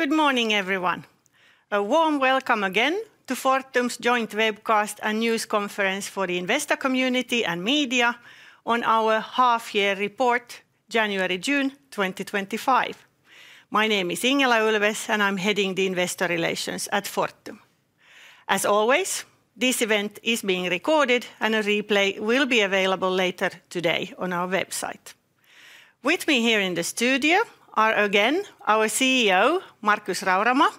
Good morning, everyone. A warm welcome again to Fortum's Joint Webcast and News Conference for the Investor Community and Media on our half-year report, January-June 2025. My name is Ingela Ulfves, and I'm heading the Investor Relations at Fortum. As always, this event is being recorded, and a replay will be available later today on our website. With me here in the studio are, again, our CEO, Markus Rauramo,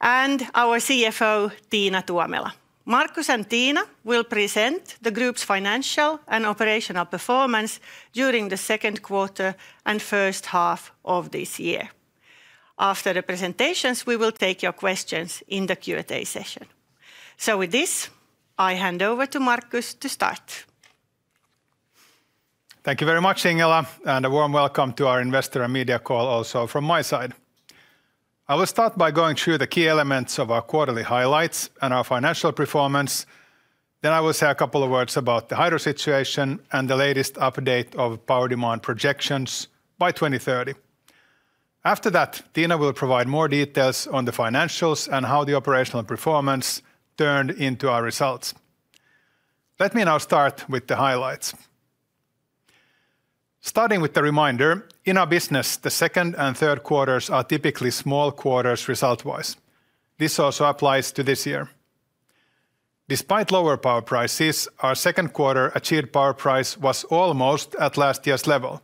and our CFO, Tiina Tuomela. Markus and Tiina will present the group's financial and operational performance during the second quarter and first half of this year. After the presentations, we will take your questions in the Q&A session. With this, I hand over to Markus to start. Thank you very much, Ingela, and a warm welcome to our Investor and Media Call also from my side. I will start by going through the key elements of our quarterly highlights and our financial performance. Then, I will say a couple of words about the Hydro situation and the latest update of Power Demand projections by 2030. After that, Tiina will provide more details on the financials and how the operational performance turned into our results. Let me now start with the highlights. Starting with a reminder, in our business, the second and third quarters are typically small quarters result-wise. This also applies to this year. Despite lower power prices, our second quarter achieved power price was almost at last year's level,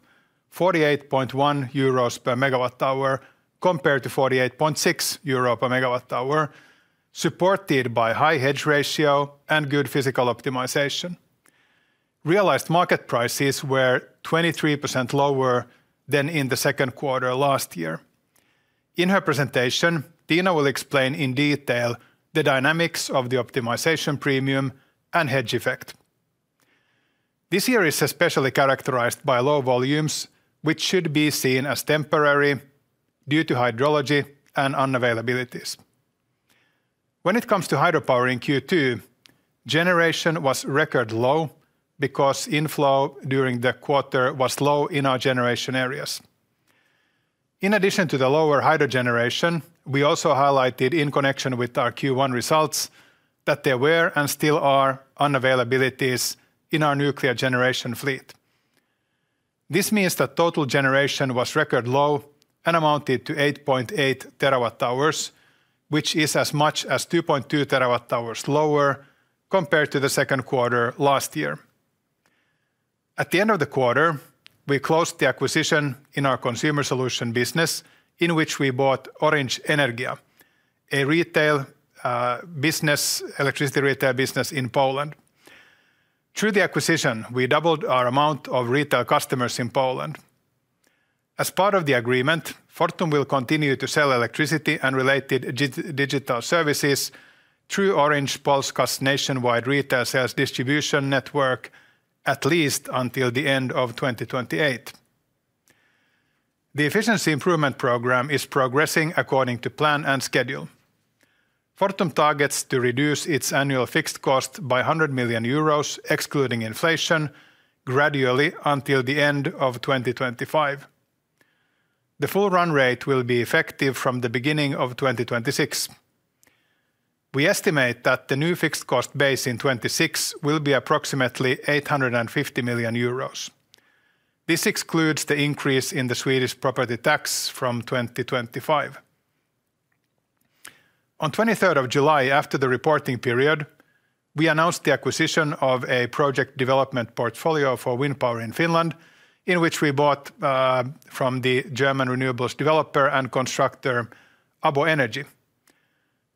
48.1 euros/MWh compared to 48.6 euro/MWh, supported by a high hedge ratio and good physical optimization. Realized market prices were 23% lower than in the second quarter last year. In her presentation, Tiina will explain in detail the dynamics of the optimization premium and hedge effect. This year is especially characterized by low volumes, which should be seen as temporary due to hydrology and unavailabilities. When it comes to Hydropower in Q2, generation was record low because inflow during the quarter was low in our generation areas. In addition to the lower hydro generation, we also highlighted in connection with our Q1 results that there were and still are unavailabilities in our Nuclear generation fleet. This means that total generation was record low and amounted to 8.8 TWh, which is as much as 2.2 TWh lower compared to the second quarter last year. At the end of the quarter, we closed the acquisition in our consumer solutions business, in which we bought Orange Energia, a retail business, electricity retail business in Poland. Through the acquisition, we doubled our amount of retail customers in Poland. As part of the agreement, Fortum will continue to sell electricity and related digital services through Orange Polska's nationwide retail sales distribution network at least until the end of 2028. The efficiency improvement program is progressing according to plan and schedule. Fortum targets to reduce its annual fixed cost by 100 million euros, excluding inflation, gradually until the end of 2025. The full run rate will be effective from the beginning of 2026. We estimate that the new fixed cost base in 2026 will be approximately 850 million euros. This excludes the increase in the Swedish property tax from 2025. On July 23, after the reporting period, we announced the acquisition of a project development portfolio for wind power in Finland, which we bought from the German renewables developer and constructor ABO Energy.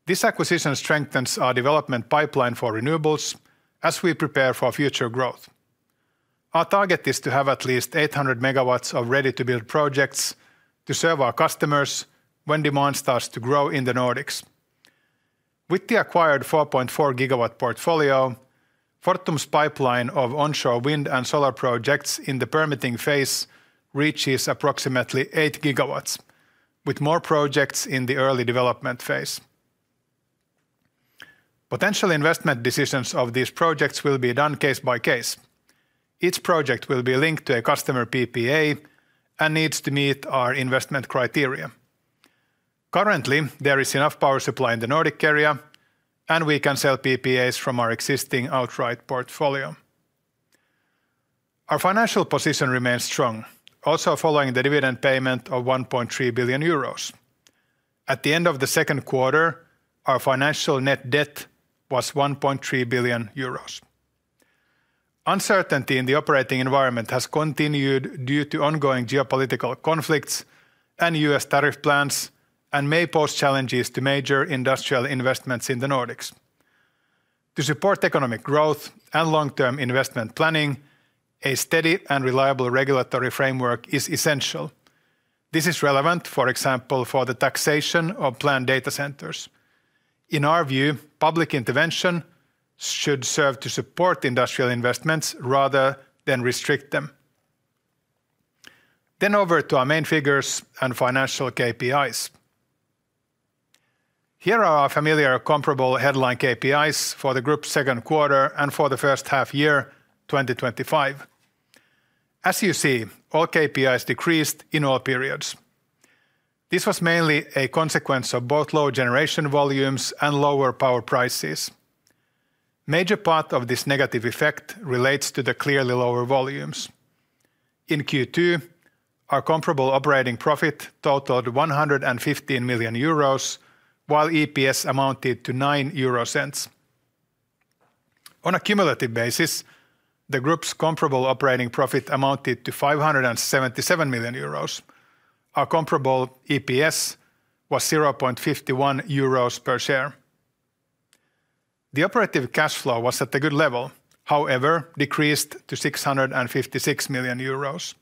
This acquisition strengthens our development pipeline for renewables as we prepare for future growth. Our target is to have at least 800 MW of ready-to-build projects to serve our customers when demand starts to grow in the Nordics. With the acquired 4.4 GW portfolio, Fortum's pipeline of onshore wind and solar projects in the permitting phase reaches approximately 8 GW, with more projects in the early development phase. Potential investment decisions of these projects will be done case by case. Each project will be linked to a customer PPA and needs to meet our investment criteria. Currently, there is enough power supply in the Nordic area, and we can sell PPAs from our existing outright portfolio. Our financial position remains strong, also following the dividend payment of 1.3 billion euros. At the end of the second quarter, our financial net debt was 1.3 billion euros. Uncertainty in the operating environment has continued due to ongoing geopolitical conflicts and U.S. tariff plans and may pose challenges to major industrial investments in the Nordics. To support economic growth and long-term investment planning, a steady and reliable regulatory framework is essential. This is relevant, for example, for the taxation of planned data centers. In our view, public intervention should serve to support industrial investments rather than restrict them. Over to our main figures and financial KPIs. Here are our familiar comparable headline KPIs for the group's second quarter and for the first half-year, 2025. As you see, all KPIs decreased in all periods. This was mainly a consequence of both low generation volumes and lower power prices. A major part of this negative effect relates to the clearly lower volumes. In Q2, our comparable operating profit totaled 115 million euros, while EPS amounted to 0.09. On a cumulative basis, the group's comparable operating profit amounted to 577 million euros. Our comparable EPS was 0.51 euros/share. The operative cash flow was at a good level, however, it decreased to 656 million euros.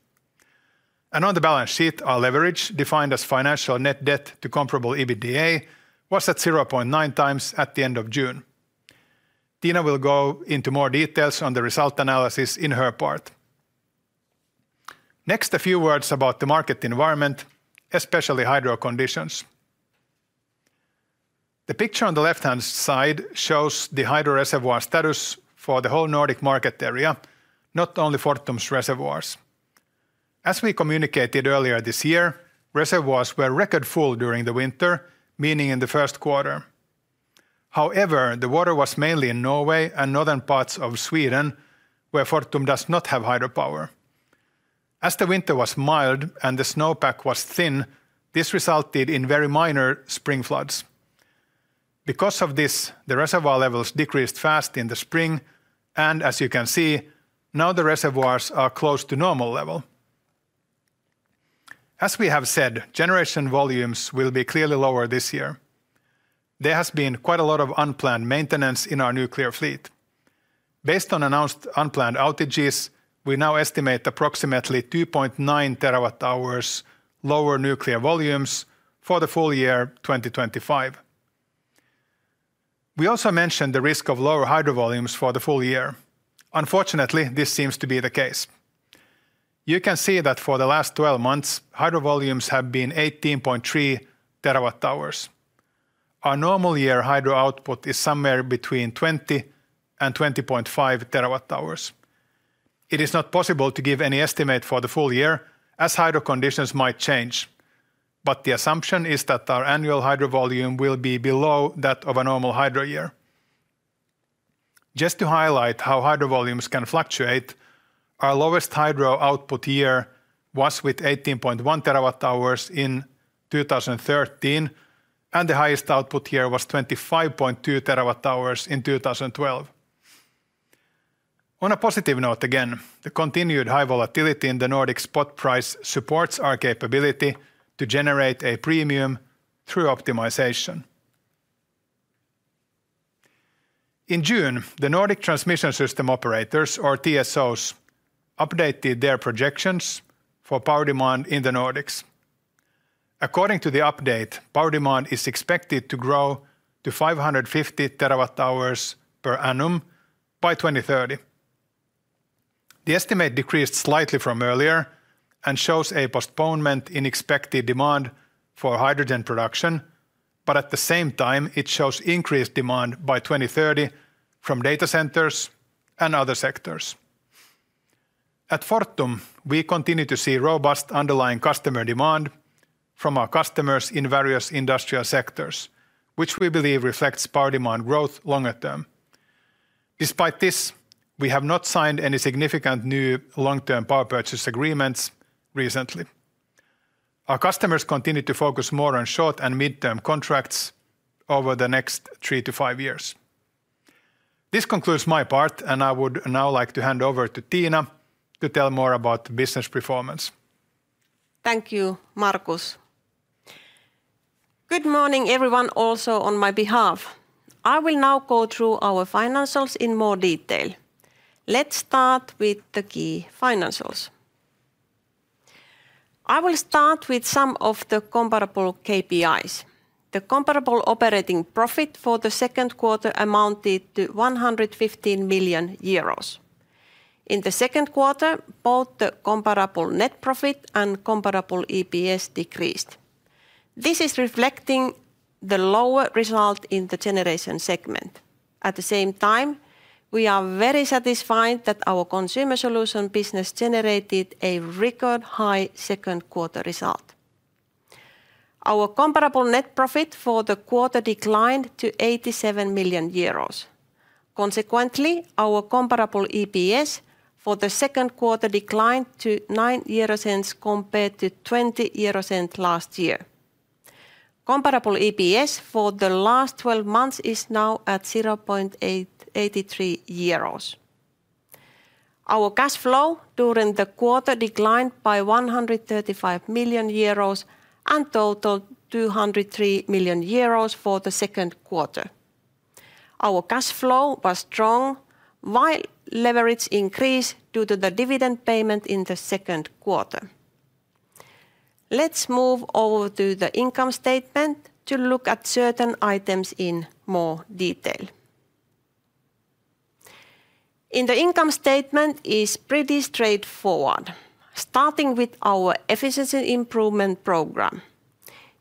On the balance sheet, our leverage, defined as financial net debt to comparable EBITDA, was at 0.9x at the end of June. Tiina will go into more details on the result analysis in her part. Next, a few words about the market environment, especially Hydro conditions. The picture on the left-hand side shows the Hydro Reservoir status for the whole Nordic market area, not only Fortum's reservoirs. As we communicated earlier this year, reservoirs were record full during the winter, meaning in the first quarter. However, the water was mainly in Norway and northern parts of Sweden, where Fortum does not have hydropower. As the winter was mild and the snowpack was thin, this resulted in very minor spring floods. Because of this, the reservoir levels decreased fast in the spring, and as you can see, now the reservoirs are close to normal level. As we have said, generation volumes will be clearly lower this year. There has been quite a lot of unplanned maintenance in our nuclear fleet. Based on announced unplanned outages, we now estimate approximately 2.9 TWh lower nuclear volumes for the full year 2025. We also mentioned the risk of lower hydro volumes for the full year. Unfortunately, this seems to be the case. You can see that for the last 12 months, hydro volumes have been 18.3 TWh. Our normal year hydro output is somewhere between 20 TWh and 20.5 TWh. It is not possible to give any estimate for the full year as hydro conditions might change, but the assumption is that our annual hydro volume will be below that of a normal hydro year. Just to highlight how hydro volumes can fluctuate, our lowest hydro output year was with 18.1 TWh in 2013, and the highest output year was 25.2 TWh in 2012. On a positive note again, the continued high volatility in the Nordic spot price supports our capability to generate a premium through optimization. In June, the Nordic Transmission System Operators, or TSOs, updated their projections for power demand in the Nordics. According to the update, power demand is expected to grow to 550 TWh/annum by 2030. The estimate decreased slightly from earlier and shows a postponement in expected demand for hydrogen production, but at the same time, it shows increased demand by 2030 from data centers and other sectors. At Fortum, we continue to see robust underlying customer demand from our customers in various industrial sectors, which we believe reflects power demand growth longer term. Despite this, we have not signed any significant new long-term power purchase agreements recently. Our customers continue to focus more on short and mid-term contracts over the next three to five years. This concludes my part, and I would now like to hand over to Tiina to tell more about business performance. Thank you, Markus. Good morning, everyone, also on my behalf. I will now go through our financials in more detail. Let's start with the key financials. I will start with some of the comparable KPIs. The comparable operating profit for the second quarter amounted to 115 million euros. In the second quarter, both the comparable net profit and comparable EPS decreased. This is reflecting the lower result in the generation segment. At the same time, we are very satisfied that our consumer solutions business generated a record high second quarter result. Our comparable net profit for the quarter declined to 87 million euros. Consequently, our comparable EPS for the second quarter declined to 0.09 compared to 0.20 last year. Comparable EPS for the last 12 months is now at 0.83 euros. Our cash flow during the quarter declined by 135 million euros and totaled 203 million euros for the second quarter. Our cash flow was strong, while leverage increased due to the dividend payment in the second quarter. Let's move over to the income statement to look at certain items in more detail. In the income statement, it is pretty straightforward. Starting with our efficiency improvement program.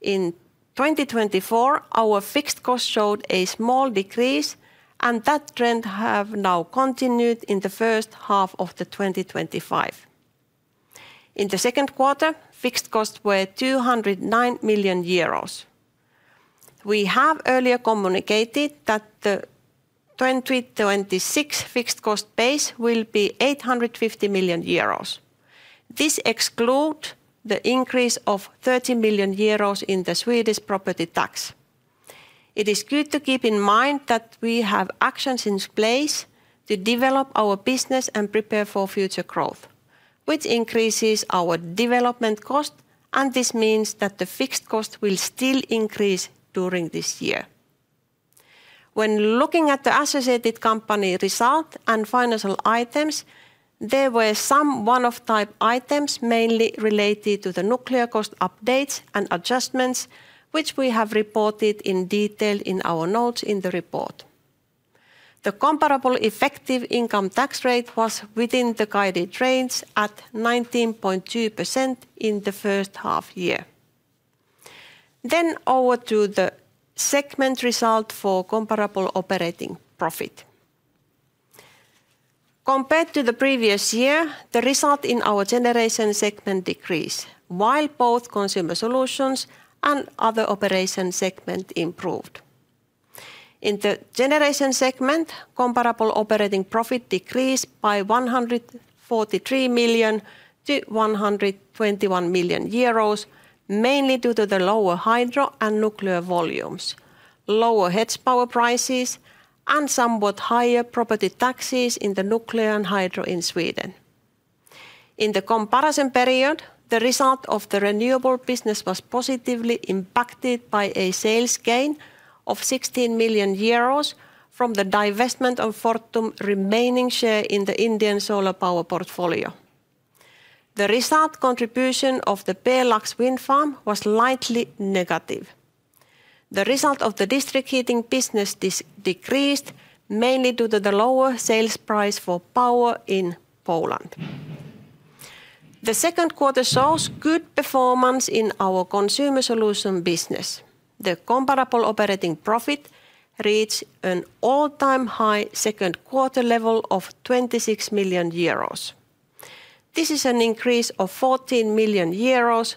In 2024, our fixed costs showed a small decrease, and that trend has now continued in the first half of 2025. In the second quarter, fixed costs were 209 million euros. We have earlier communicated that the 2026 fixed cost base will be 850 million euros. This excludes the increase of 30 million euros in the Swedish property tax. It is good to keep in mind that we have actions in place to develop our business and prepare for future growth, which increases our development cost, and this means that the fixed cost will still increase during this year. When looking at the associated company result and financial items, there were some one-off type items mainly related to the nuclear cost updates and adjustments, which we have reported in detail in our notes in the report. The comparable effective income tax rate was within the guided range at 19.2% in the first half year. Over to the segment result for comparable operating profit. Compared to the previous year, the result in our generation segment decreased, while both consumer solutions and other operation segments improved. In the generation segment, comparable operating profit decreased by 143 million-121 million euros, mainly due to the lower hydro and nuclear volumes, lower hedge power prices, and somewhat higher property taxes in the nuclear and hydro in Sweden. In the comparison period, the result of the renewable business was positively impacted by a sales gain of 16 million euros from the divestment of Fortum's remaining share in the Indian Solar Power portfolio. The result contribution of the Pjelax wind farm was lightly negative. The result of the district heating business decreased, mainly due to the lower sales price for power in Poland. The second quarter shows good performance in our consumer solutions business. The comparable operating profit reached an all-time high second quarter level of 26 million euros. This is an increase of 14 million euros,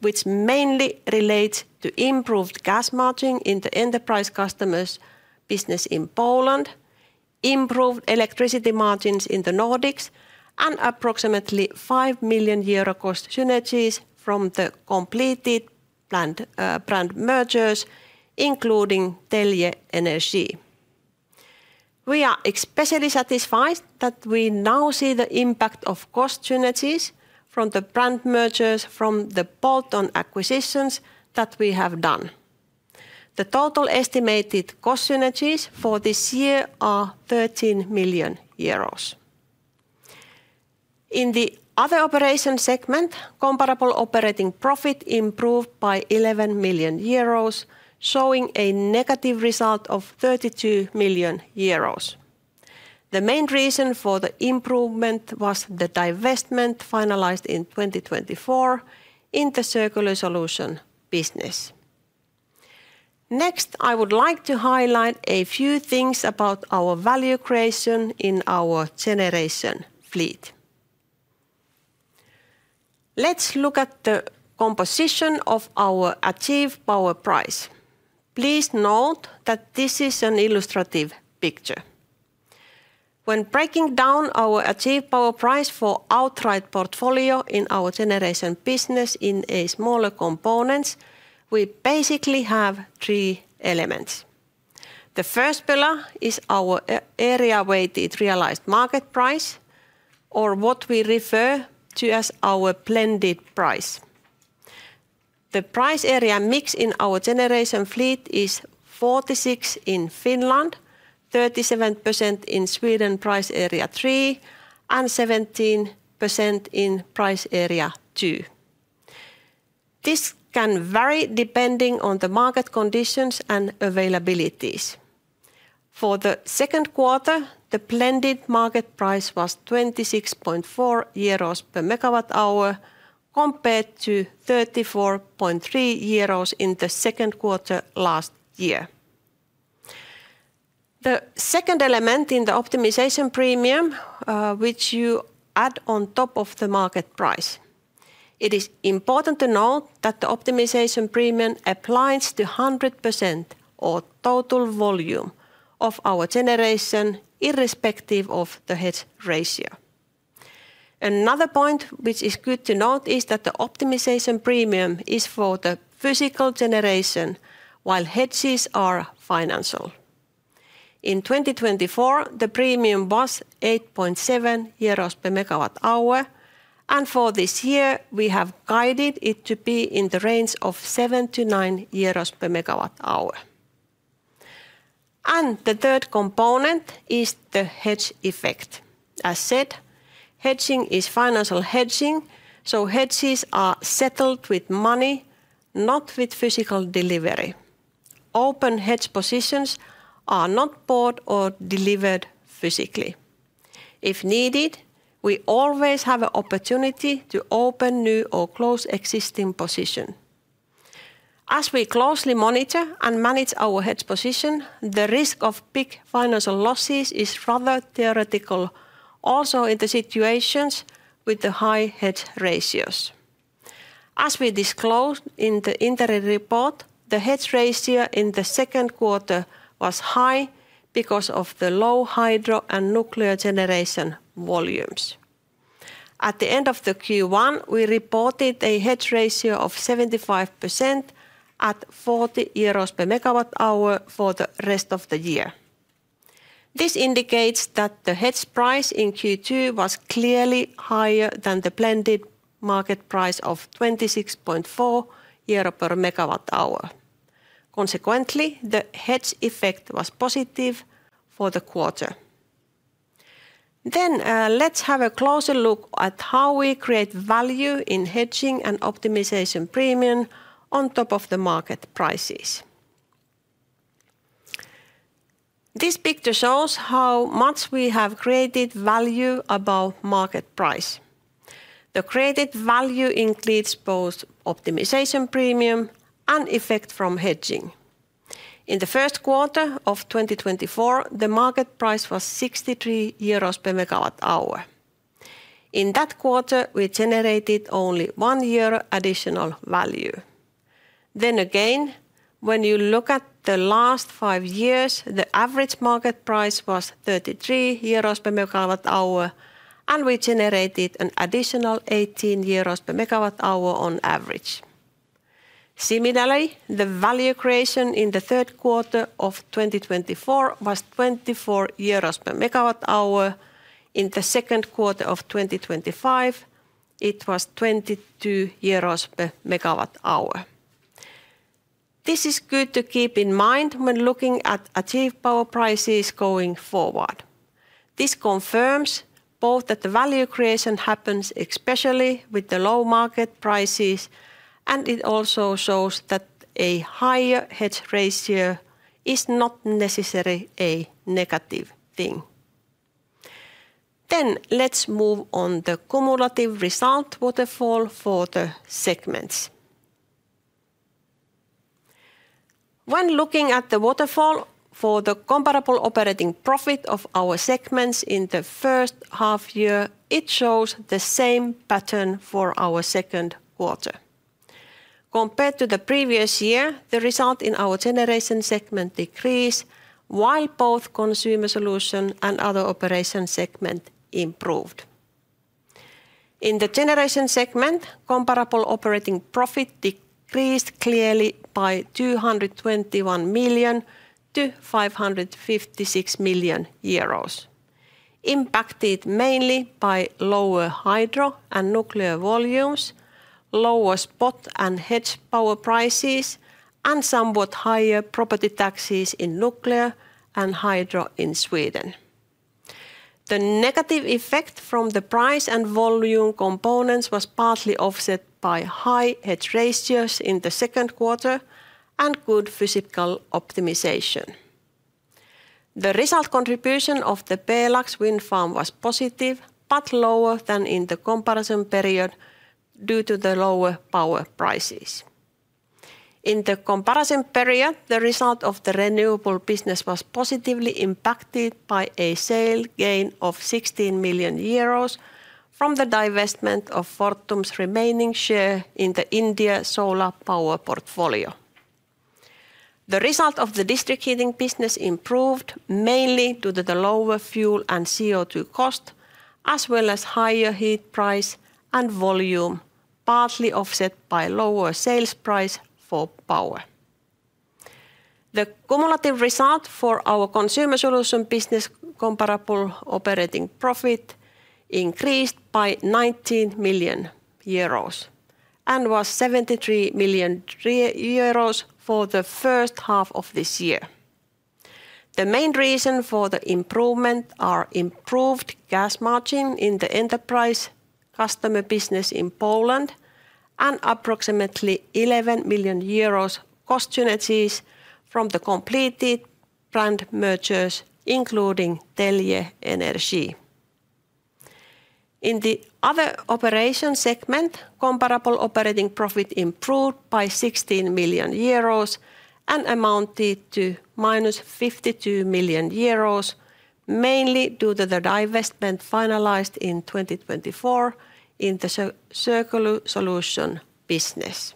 which mainly relates to improved gas margins in the enterprise customers' business in Poland, improved electricity margins in the Nordics, and approximately 5 million euro cost synergies from the completed brand mergers, including Telge Energi. We are especially satisfied that we now see the impact of cost synergies from the brand mergers from the bolt-on acquisitions that we have done. The total estimated cost synergies for this year are 13 million euros. In the other operation segment, comparable operating profit improved by 11 million euros, showing a negative result of 32 million euros. The main reason for the improvement was the divestment finalized in 2024 in the circular solution business. Next, I would like to highlight a few things about our value creation in our Generation Fleet. Let's look at the composition of our achieved power price. Please note that this is an illustrative picture. When breaking down our achieved power price for outright portfolio in our generation business in smaller components, we basically have three elements. The first pillar is our area-weighted realized market price, or what we refer to as our blended price. The price area mix in our generation fleet is 46% in Finland, 37% in Sweden Price Area 3, and 17% in Price Area 2. This can vary depending on the market conditions and availabilities. For the second quarter, the blended market price was 26.4 euros/MWh compared to 34.3 euros/MWh in the second quarter last year. The second element is the optimization premium, which you add on top of the market price. It is important to note that the optimization premium applies to 100% of total volume of our generation, irrespective of the hedge ratio. Another point which is good to note is that the optimization premium is for the physical generation, while hedges are financial. In 2024, the premium was 8.7 euros per MWh, and for this year, we have guided it to be in the range of 7-9 euros/MWh. The third component is the Hedge Effect. As said, Hedging is Financial hedging, so hedges are settled with money, not with physical delivery. Open hedge positions are not bought or delivered physically. If needed, we always have an opportunity to open new or close existing positions. As we closely monitor and manage our hedge position, the risk of big financial losses is rather theoretical, also in the situations with the high hedge ratios. As we disclosed in the interim report, the hedge ratio in the second quarter was high because of the low hydro and nuclear generation volumes. At the end of Q1, we reported a hedge ratio of 75% at 40 euros/MWh for the rest of the year. This indicates that the hedge price in Q2 was clearly higher than the blended market price of 26.4 euro/MWh. Consequently, the hedge effect was positive for the quarter. Let's have a closer look at how we create value in hedging and optimization premium on top of the market prices. This picture shows how much we have created value above market price. The created value includes both optimization premium and effect from hedging. In the first quarter of 2024, the market price was 63 euros/MWh. In that quarter, we generated only 1 year additional value. When you look at the last five years, the average market price was 33 euros/MWh, and we generated an additional 18 euros/MWh on average. Similarly, the value creation in the third quarter of 2024 was 24 euros/MWh. In the second quarter of 2025, it was 22 euros/MWh. This is good to keep in mind when looking at achieved power prices going forward. This confirms both that the value creation happens especially with the low market prices, and it also shows that a higher hedge ratio is not necessarily a negative thing. Let's move on to the cumulative result waterfall for the segments. When looking at the waterfall for the comparable operating profit of our segments in the first half year, it shows the same pattern for our second quarter. Compared to the previous year, the result in our generation segment decreased, while both consumer solutions and other operation segments improved. In the generation segment, comparable operating profit decreased clearly by 221 million-556 million euros, impacted mainly by lower hydro and nuclear volumes, lower spot and hedge power prices, and somewhat higher property taxes in nuclear and hydro in Sweden. The negative effect from the price and volume components was partly offset by high hedge ratios in the second quarter and good physical optimization. The result contribution of the Pjelax wind farm was positive, but lower than in the comparison period due to the lower power prices. In the comparison period, the result of the renewable business was positively impacted by a sale gain of 16 million euros from the divestment of Fortum's remaining share in the India Solar Power Portfolio. The result of the district heating business improved mainly due to the lower fuel and CO2 cost, as well as higher heat price and volume, partly offset by lower sales price for power. The cumulative result for our consumer solutions business comparable operating profit increased by 19 million euros and was 73 million euros for the first half of this year. The main reason for the improvement is improved gas margin in the enterprise customer business in Poland and approximately 11 million euros cost synergies from the completed brand mergers, including Telge Energi. In the other operation segment, comparable operating profit improved by 16 million euros and amounted to -52 million euros, mainly due to the divestment finalized in 2024 in the Circular Solution Business.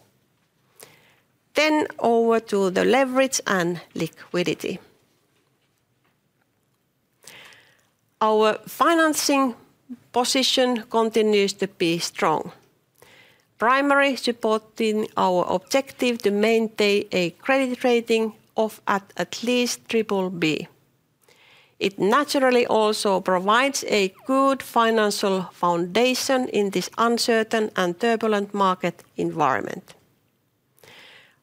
Over to the leverage and liquidity. Our financing position continues to be strong, primarily supporting our objective to maintain a credit rating of at least BBB. It naturally also provides a good financial foundation in this uncertain and turbulent market environment.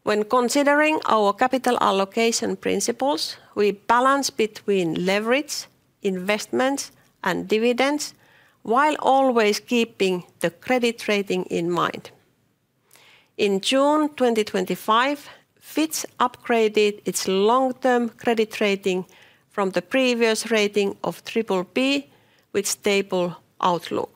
When considering our capital allocation principles, we balance between leverage, investments, and dividends, while always keeping the credit rating in mind. In June 2025, Fitch upgraded its long-term credit rating from the previous rating of BBB with stable outlook.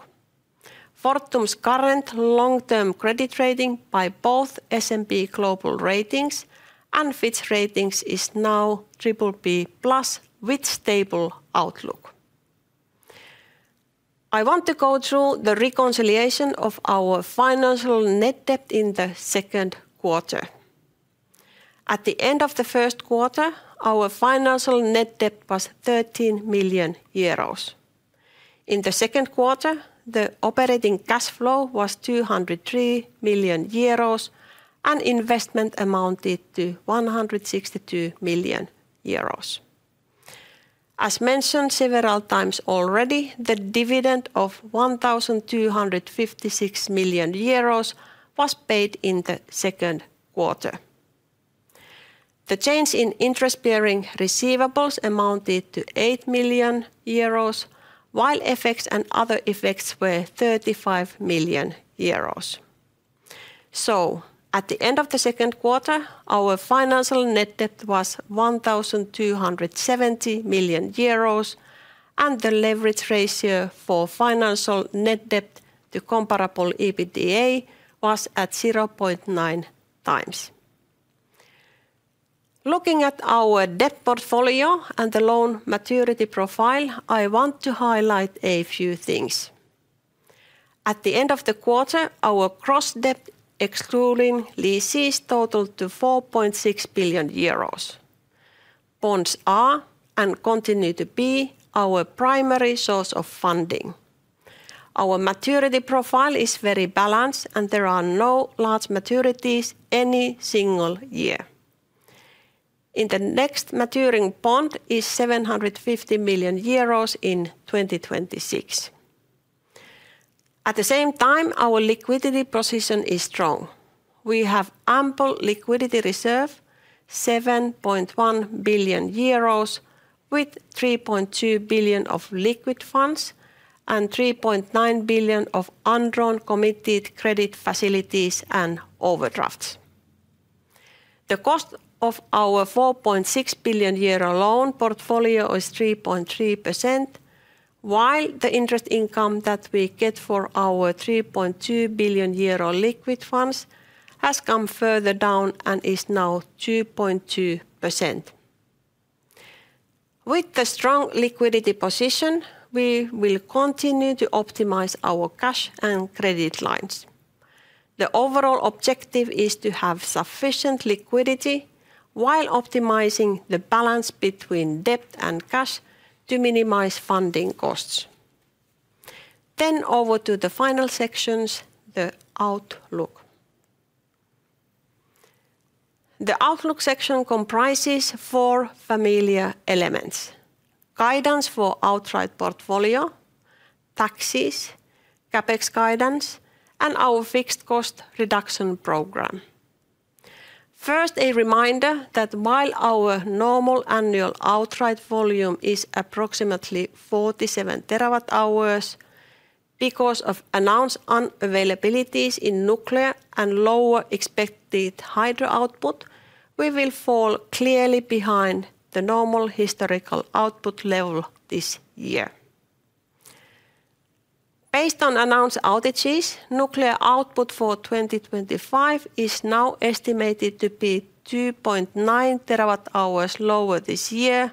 Fortum's current long-term credit rating by both S&P Global Ratings and Fitch Ratings is now BBB+ with stable outlook. I want to go through the reconciliation of our financial net debt in the second quarter. At the end of the first quarter, our financial net debt was 13 million euros. In the second quarter, the operating cash flow was 203 million euros, and investment amounted to 162 million euros. As mentioned several times already, the dividend of 1,256 million euros was paid in the second quarter. The change in interest-bearing receivables amounted to 8 million euros, while FX and other effects were 35 million euros. At the end of the second quarter, our financial net debt was 1,270 million euros, and the leverage ratio for financial net debt to comparable EBITDA was at 0.9x. Looking at our debt portfolio and the loan maturity profile, I want to highlight a few things. At the end of the quarter, our gross debt excluding leases totaled 4.6 billion euros. Bonds are and continue to be our primary source of funding. Our maturity profile is very balanced, and there are no large maturities in any single year. The next maturing bond is 750 million euros in 2026. At the same time, our liquidity position is strong. We have ample liquidity reserve, 7.1 billion euros, with 3.2 billion of liquid funds and 3.9 billion of undrawn committed credit facilities and overdrafts. The cost of our 4.6 billion euro loan portfolio is 3.3%, while the interest income that we get for our 3.2 billion euro liquid funds has come further down and is now 2.2%. With the strong liquidity position, we will continue to optimize our cash and credit lines. The overall objective is to have sufficient liquidity while optimizing the balance between debt and cash to minimize funding costs. Over to the final sections, the outlook. The outlook section comprises four familiar elements: guidance for outright Portfolio, Taxes, CapEx guidance, and our Fixed Cost Reduction program. First, a reminder that while our normal annual outright volume is approximately 47 TWh, because of announced unavailabilities in nuclear and lower expected hydro output, we will fall clearly behind the normal historical output level this year. Based on announced outages, nuclear output for 2025 is now estimated to be 2.9 TWh lower this year,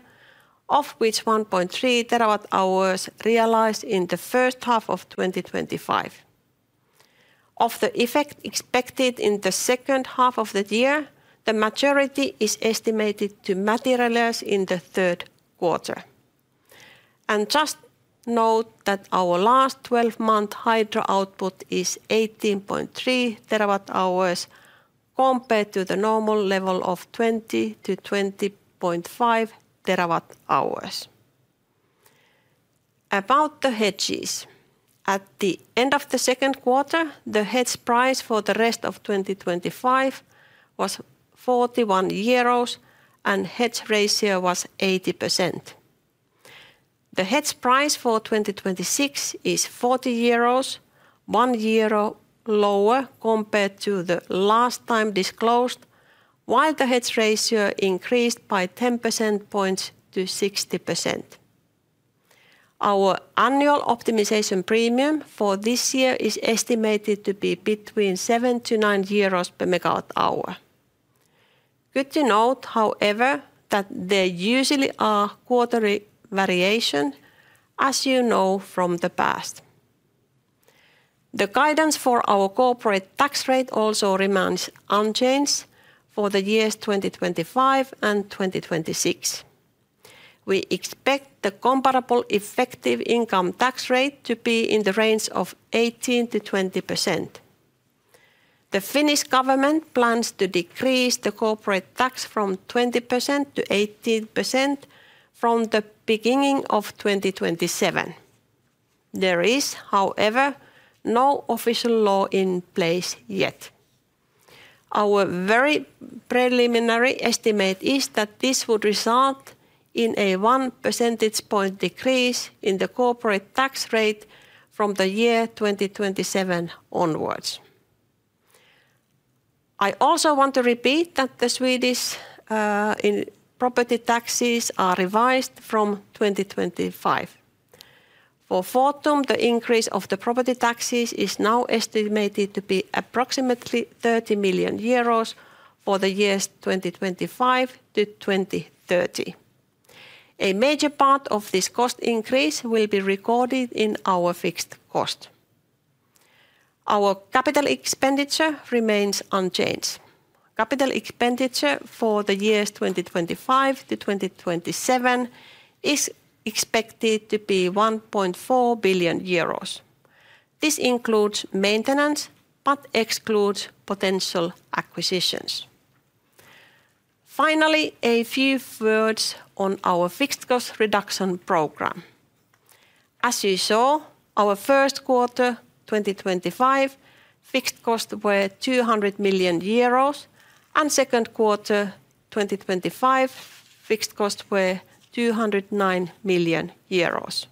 of which 1.3 TWh realized in the first half of 2025. Of the effect expected in the second half of the year, the maturity is estimated to materialize in the third quarter. Just note that our last 12-month hydro output is 18.3 TWh compared to the normal level of 20 TWh-20.5 TWh. About the hedges, at the end of the second quarter, the hedge price for the rest of 2025 was 41 euros, and hedge ratio was 80%. The hedge price for 2026 is 40 euros, 1 euro lower compared to the last time disclosed, while the hedge ratio increased by 10% points to 60%. Our annual optimization premium for this year is estimated to be between 7/MWh-9 euros/MWh. Good to note, however, that there usually are quarterly variations, as you know from the past. The guidance for our corporate tax rate also remains unchanged for the years 2025 and 2026. We expect the comparable effective income tax rate to be in the range of 18%-20%. The Finnish government plans to decrease the corporate tax from 20% to 18% from the beginning of 2027. There is, however, no official law in place yet. Our very preliminary estimate is that this would result in a 1 percentage point decrease in the corporate tax rate from the year 2027 onwards. I also want to repeat that the Swedish property taxes are revised from 2025. For Fortum, the increase of the property taxes is now estimated to be approximately 30 million euros for the years 2025-2030. A major part of this cost increase will be recorded in our fixed cost. Our capital expenditure remains unchanged. Capital expenditure for the years 2025-2027 is expected to be 1.4 billion euros. This includes maintenance, but excludes potential acquisitions. Finally, a few words on our fixed cost reduction program. As you saw, our first quarter 2025 fixed costs were 200 million euros, and second quarter 2025 fixed costs were 209 million euros.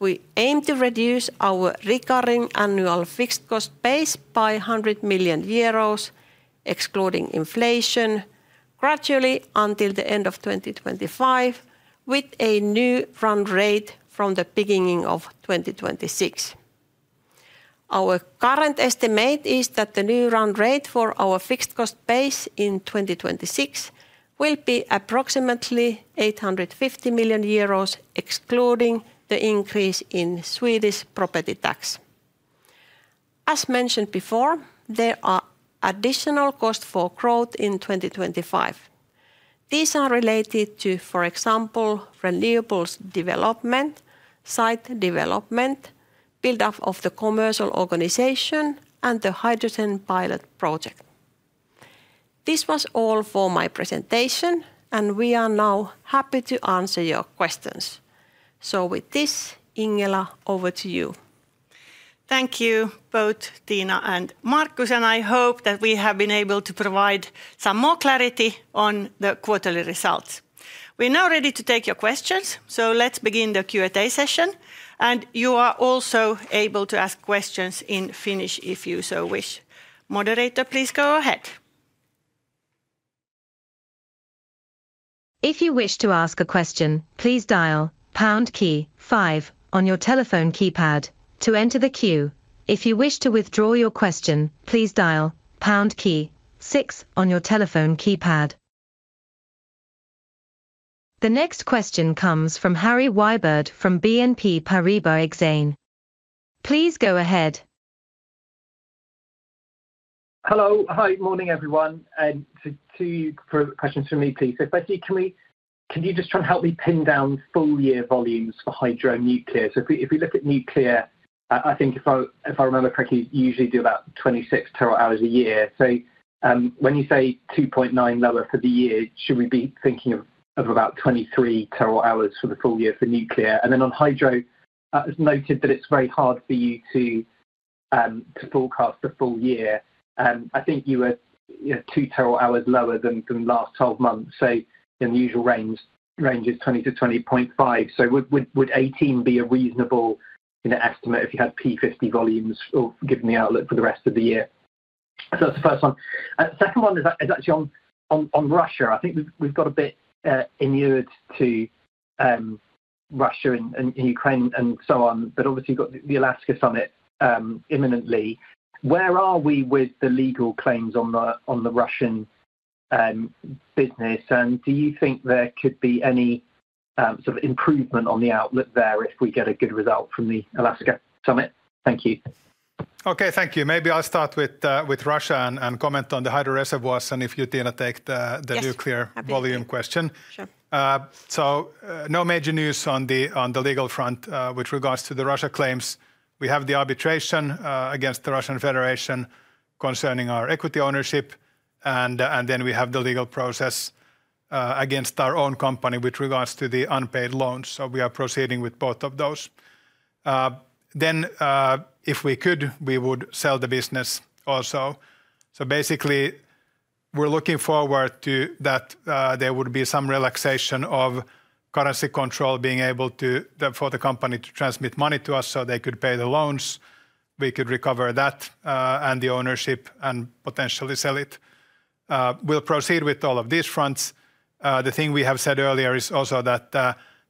We aim to reduce our recurring annual fixed cost base by 100 million euros, excluding inflation, gradually until the end of 2025, with a new run rate from the beginning of 2026. Our current estimate is that the new run rate for our fixed cost base in 2026 will be approximately 850 million euros, excluding the increase in Swedish property tax. As mentioned before, there are additional costs for growth in 2025. These are related to, for example, renewables development, site development, build-up of the commercial organization, and the hydrogen pilot project. This was all for my presentation, and we are now happy to answer your questions. With this, Ingela, over to you. Thank you, both Tiina and Markus, and I hope that we have been able to provide some more clarity on the quarterly results. We're now ready to take your questions. Let's begin the Q&A session, and you are also able to ask questions in Finnish if you so wish. Moderator, please go ahead. If you wish to ask a question, please dial pound key five on your telephone keypad to enter the queue. If you wish to withdraw your question, please dial pound key six on your telephone keypad. The next question comes from Harry Wyburd from BNP Paribas Exchange. Please go ahead. Hello, hi, morning everyone, and two questions from me, please. Firstly, can you just try and help me pin down full-year volumes for hydro and nuclear? If we look at nuclear, I think if I remember correctly, you usually do about 26 TWh a year. When you say 2.9 lower for the year, should we be thinking of about 23 TWh for the full year for nuclear? On hydro, it's noted that it's very hard for you to forecast the full year. I think you were 2 TWh lower than the last 12 months, in the usual range, range is 20-20.5. Would 18 be a reasonable estimate if you had P50 volumes or given the outlook for the rest of the year? That's the first one. The second one is actually on Russia. I think we've got a bit immune to Russia and Ukraine and so on, but obviously you've got the Alaska Summit imminently. Where are we with the legal claims on the Russian business? and do you think there could be any sort of improvement on the outlook there if we get a good result from the Alaska Summit? Thank you. Okay, thank you. Maybe I'll start with Russia and comment on the Hydro Reservoirs, and if you, Tiina, take the nuclear volume question. Sure. No major news on the legal front with regards to the Russia claims. We have the arbitration against the Russian Federation concerning our equity ownership, and then we have the legal process against our own company with regards to the unpaid loans. We are proceeding with both of those. If we could, we would sell the business also. Basically, we're looking forward to that there would be some relaxation of currency control, being able for the company to transmit money to us so they could pay the loans. We could recover that and the ownership and potentially sell it. We'll proceed with all of these fronts. The thing we have said earlier is also that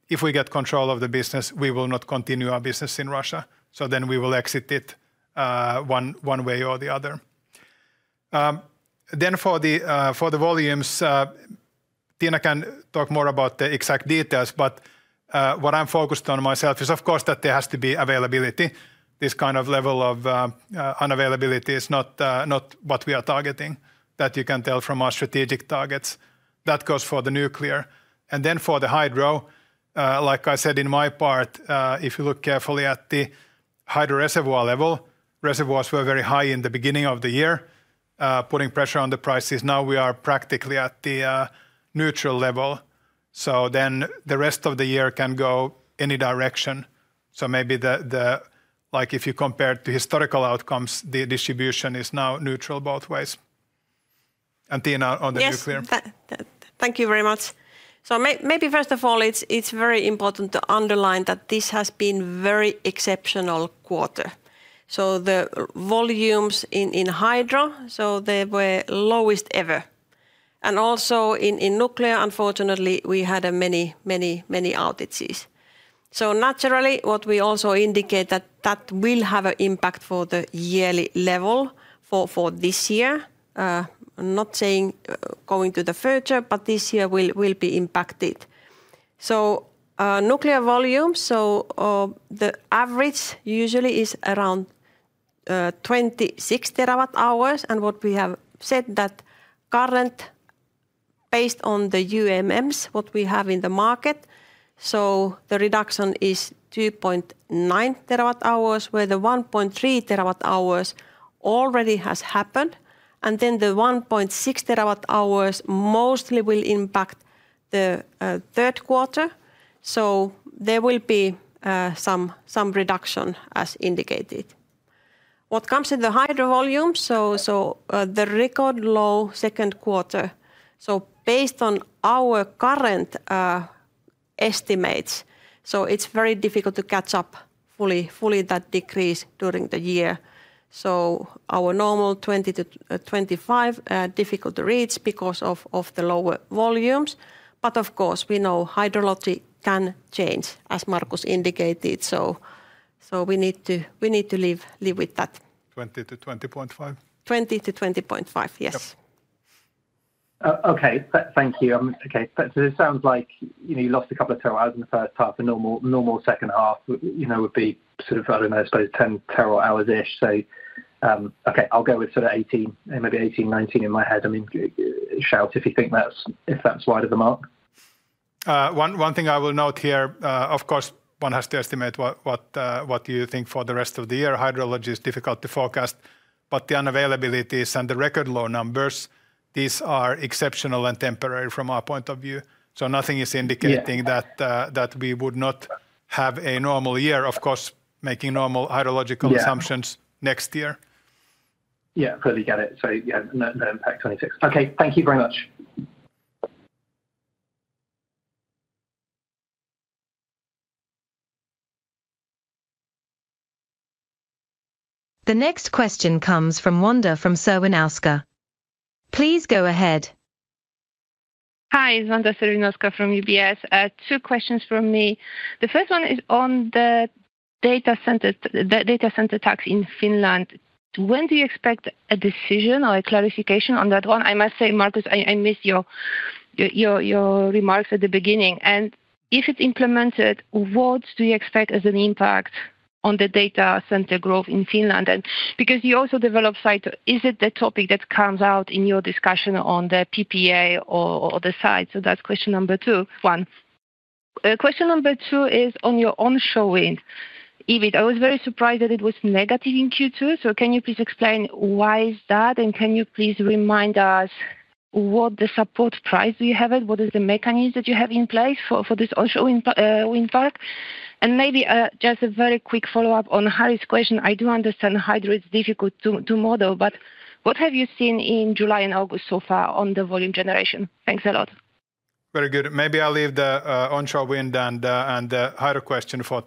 if we get control of the business, we will not continue our business in Russia. We will exit it one way or the other. For the volumes, Tiina can talk more about the exact details, but what I'm focused on myself is, of course, that there has to be availability. This kind of level of unavailability is not what we are targeting, that you can tell from our strategic targets. That goes for the nuclear. For the hydro, like I said in my part, if you look carefully at the hydro reservoir level, reservoirs were very high in the beginning of the year, putting pressure on the prices. Now we are practically at the neutral level. The rest of the year can go any direction. If you compare to historical outcomes, the distribution is now neutral both ways. Tiina on the nuclear? Yes, thank you very much. Maybe first of all, it's very important to underline that this has been a very exceptional quarter. The volumes in hydro, they were lowest ever. Also in nuclear, unfortunately, we had many, many, many outages. Naturally, what we also indicate is that will have an impact for the yearly level for this year. I'm not saying going to the future, but this year will be impacted. Nuclear volumes, the average usually is around 26 TWh. What we have said is that current, based on the UMMs, what we have in the market, the reduction is 2.9 TWh, where the 1.3 TWh already has happened. The 1.6 TWh mostly will impact the third quarter. There will be some reduction as indicated. What comes to the hydro volumes, the record low second quarter. Based on our current estimates, it's very difficult to catch up fully that decrease during the year. Our normal 20-25 difficult to reach because of the lower volumes. Of course, we know hydrology can change, as Markus indicated. We need to live with that. 20-20.5? 20-20.5, yes. Okay, thank you. It sounds like you lost a couple of TWh in the first half. A normal second half would be sort of, I don't know, I suppose 10 TWh-ish. I'll go with sort of 18, maybe 18, 19 in my head. I mean, shout if you think that's right of the mark. One thing I will note here, of course, one has to estimate what you think for the rest of the year. Hydrology is difficult to forecast, but the unavailabilities and the record low numbers, these are exceptional and temporary from our point of view. Nothing is indicating that we would not have a normal year, of course, making normal hydrological assumptions next year. I totally get it. Yeah, no impact in 2026. Okay, thank you very much. The next question comes from Wanda Serwinowska. Please go ahead. Hi, it's Wierzbicka Serwinowska from UBS. Two questions from me. The first one is on the data center tax in Finland. When do you expect a decision or a clarification on that one? I must say, Markus, I missed your remarks at the beginning. If it's implemented, what do you expect as an impact on the data center growth in Finland? Because you also develop site, is it the topic that comes out in your discussion on the PPA or the site? That's question number one. Question number two is on your onshore wind. I was very surprised that it was negative in Q2. Can you please explain why is that? Can you please remind us what the support price you have is? What is the mechanism that you have in place for this onshore wind farm? Maybe just a very quick follow-up on Harry's question. I do understand hydro is difficult to model, but what have you seen in July and August so far on the volume generation? Thanks a lot. Very good. Maybe I'll leave the onshore wind and the hydro question for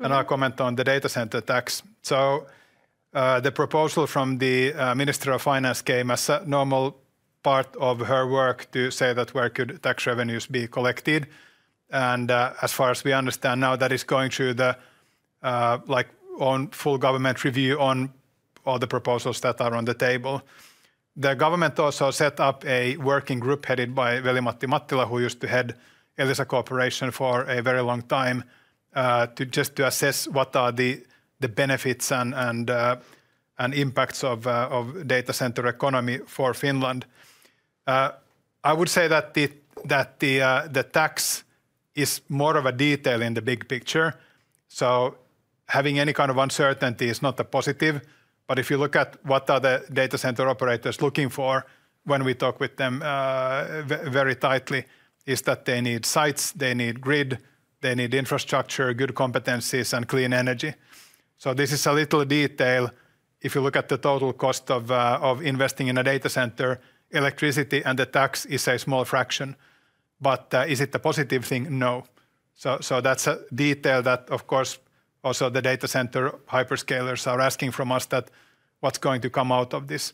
Tiina. I'll comment on the data center tax. The proposal from the Minister of Finance came as a normal part of her work to say that where could tax revenues be collected. As far as we understand now, that is going through the full government review on all the proposals that are on the table. The government also set up a working group headed by Veli-Matti Mattila, who used to head Elisa Corporation for a very long time, just to assess what are the benefits and impacts of data center economy for Finland. I would say that the tax is more of a detail in the big picture. Having any kind of uncertainty is not a positive. If you look at what the data center operators are looking for when we talk with them very tightly, it's that they need sites, they need grid, they need infrastructure, good competencies, and clean energy. This is a little detail. If you look at the total cost of investing in a data center, electricity and the tax is a small fraction. Is it a positive thing? No. That's a detail that, of course, also the data center hyperscalers are asking from us, what's going to come out of this.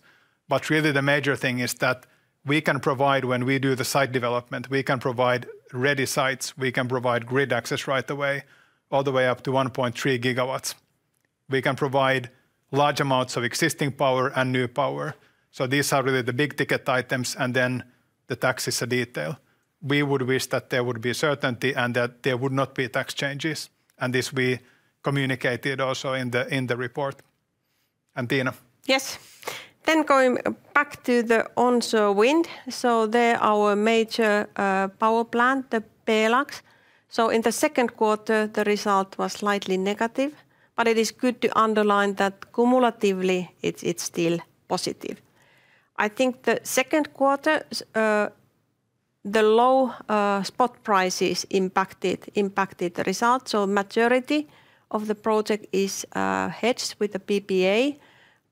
Really, the major thing is that we can provide, when we do the site development, we can provide ready sites, we can provide grid access right away, all the way up to 1.3 GW. We can provide large amounts of existing power and new power. These are really the big ticket items, and the tax is a detail. We would wish that there would be certainty and that there would not be tax changes. This we communicated also in the report. Tiina? Yes. Going back to the onshore wind, there are our major power plants, the Pjerlax. In the second quarter, the result was slightly negative, but it is good to underline that cumulatively it's still positive. I think the second quarter, the low spot prices impacted the result. The majority of the project is hedged with the PPA,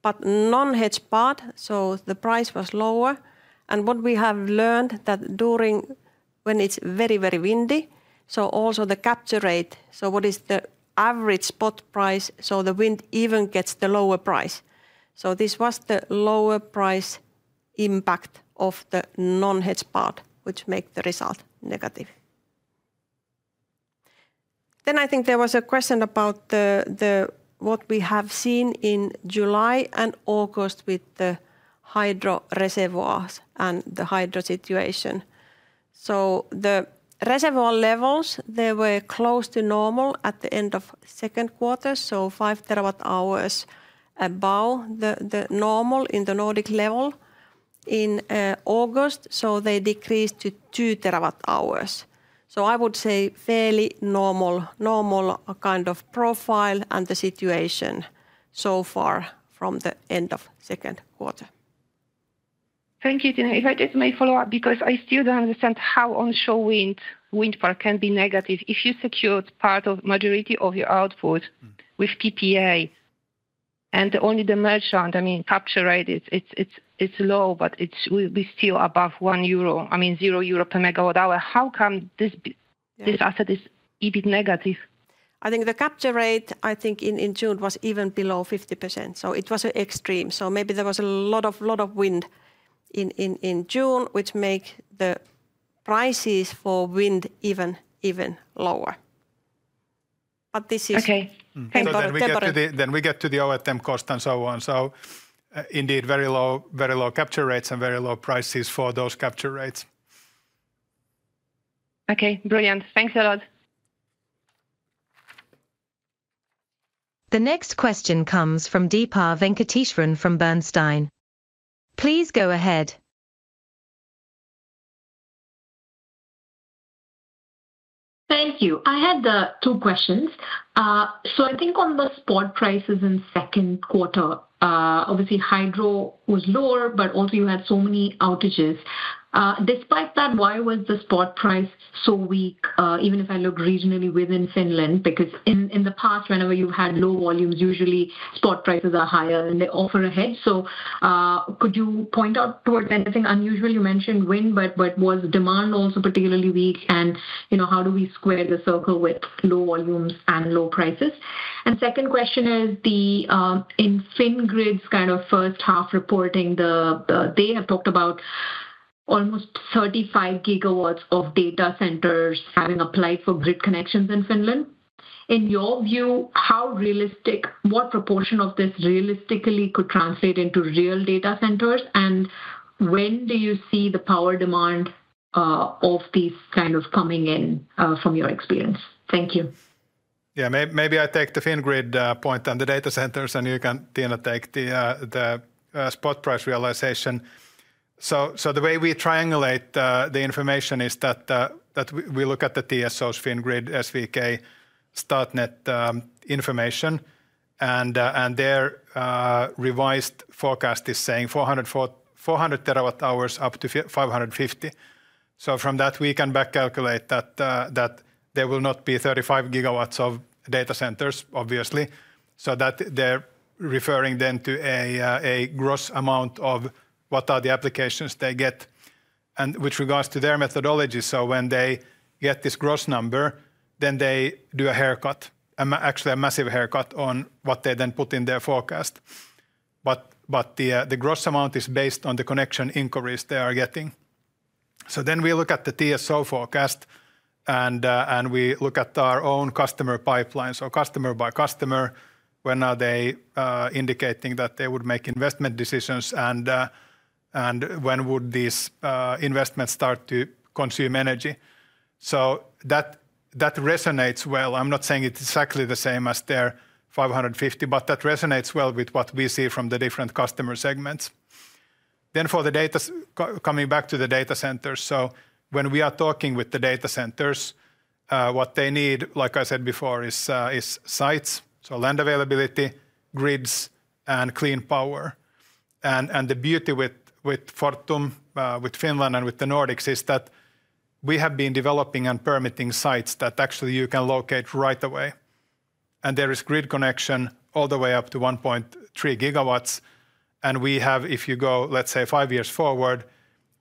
but the non-hedged part, the price was lower. What we have learned is that during when it's very, very windy, also the capture rate, what is the average spot price, the wind even gets the lower price. This was the lower price impact of the non-hedged part, which makes the result negative. I think there was a question about what we have seen in July and August with the hydro reservoirs and the hydro situation. The reservoir levels, they were close to normal at the end of the second quarter, 5 TWh above the normal in the Nordic level in August, they decreased to 2 TWh. I would say fairly normal, normal kind of profile and the situation so far from the end of the second quarter. Thank you, Tiina. If I just may follow up, because I still don't understand how onshore wind park can be negative if you secured part of the majority of your output with PPA and only the merchant, I mean, capture rate, it's low, but we're still above 1 euro, I mean, 0 euro/MWh. How come this asset is EBIT negative? I think the capture rate in June was even below 50%. It was extreme. Maybe there was a lot of wind in June, which makes the prices for wind even lower. This is temporary. We get to the overtime cost and so on. Indeed, very low capture rates and very low prices for those capture rates. Okay, brilliant. Thanks a lot. The next question comes from Deepa Venkateswaran from Bernstein. Please go ahead. Thank you. I had two questions. I think on the spot prices in the second quarter, obviously, hydro was lower, but also you had so many outages. Despite that, why was the spot price so weak, even if I look regionally within Finland? In the past, whenever you've had low volumes, usually spot prices are higher and they offer a hedge. Could you point out anything unusual? You mentioned wind, but was demand also particularly weak? How do we square the circle with low volumes and low prices? The second question is, in Finngrid's kind of first half reporting, they have talked about almost 35 GW of data centers having applied for grid connections in Finland. In your view, how realistic, what proportion of this realistically could translate into real data centers? When do you see the power demand of these kind of coming in from your experience? Thank you. Maybe I take the Finngrid point on the data centers, and you can, Tiina, take the spot price realization. The way we triangulate the information is that we look at the TSOs, Finngrid, SvK, Statnett information, and their revised forecast is saying 400 TWh up to 550TWh. From that, we can back calculate that there will not be 35 GW of data centers, obviously. They are referring then to a gross amount of what are the applications they get. With regards to their methodology, when they get this gross number, they do a haircut, actually a massive haircut on what they then put in their forecast. The gross amount is based on the connection inquiries they are getting. We look at the TSO forecast, and we look at our own customer pipelines, or customer-by-customer, when are they indicating that they would make investment decisions, and when would these investments start to consume energy. That resonates well. I'm not saying it's exactly the same as their 550, but that resonates well with what we see from the different customer segments. For the data, coming back to the data centers, when we are talking with the data centers, what they need, like I said before, is sites, so land availability, grids, and clean power. The beauty with Fortum, with Finland, and with the Nordics is that we have been developing and permitting sites that actually you can locate right away. There is grid connection all the way up to 1.3 GW. If you go, let's say, five years forward,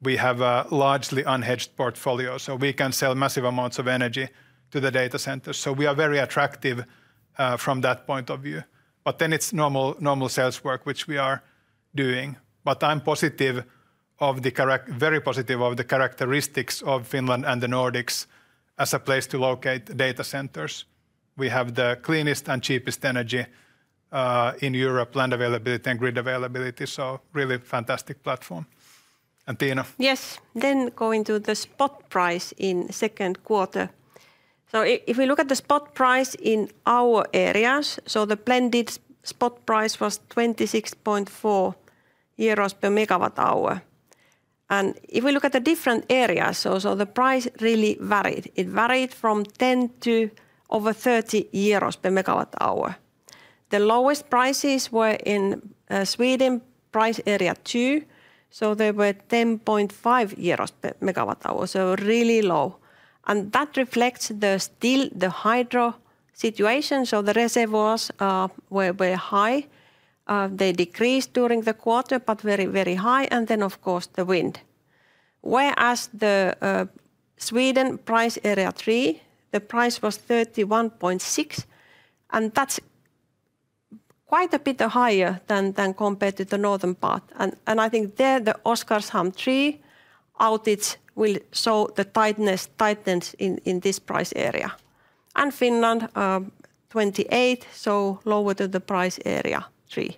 we have a largely unhedged portfolio. We can sell massive amounts of energy to the data centers. We are very attractive from that point of view. It's normal sales work, which we are doing. I'm positive of the very positive of the characteristics of Finland and the Nordics as a place to locate data centers. We have the cleanest and cheapest energy in Europe, land availability, and grid availability. Really fantastic platform. Tiina? Yes, going to the spot price in the second quarter. If we look at the spot price in our areas, the blended spot price was 26.4 euros/MWh. If we look at the different areas, the price really varied. It varied from 10/MWh to over 30 euros/MWh. The lowest prices were in Sweden, price area two. They were 10.5 euros/MWh, really low. That reflects still the hydro situation. The reservoirs were high. They decreased during the quarter, but very, very high. Of course, the wind. Whereas in Sweden price area three, the price was 31.6, quite a bit higher compared to the northern part. I think there the Oskarshamn 3 outages will show the tightness in this price area. In Finland, 28, so lower than Price Area 3.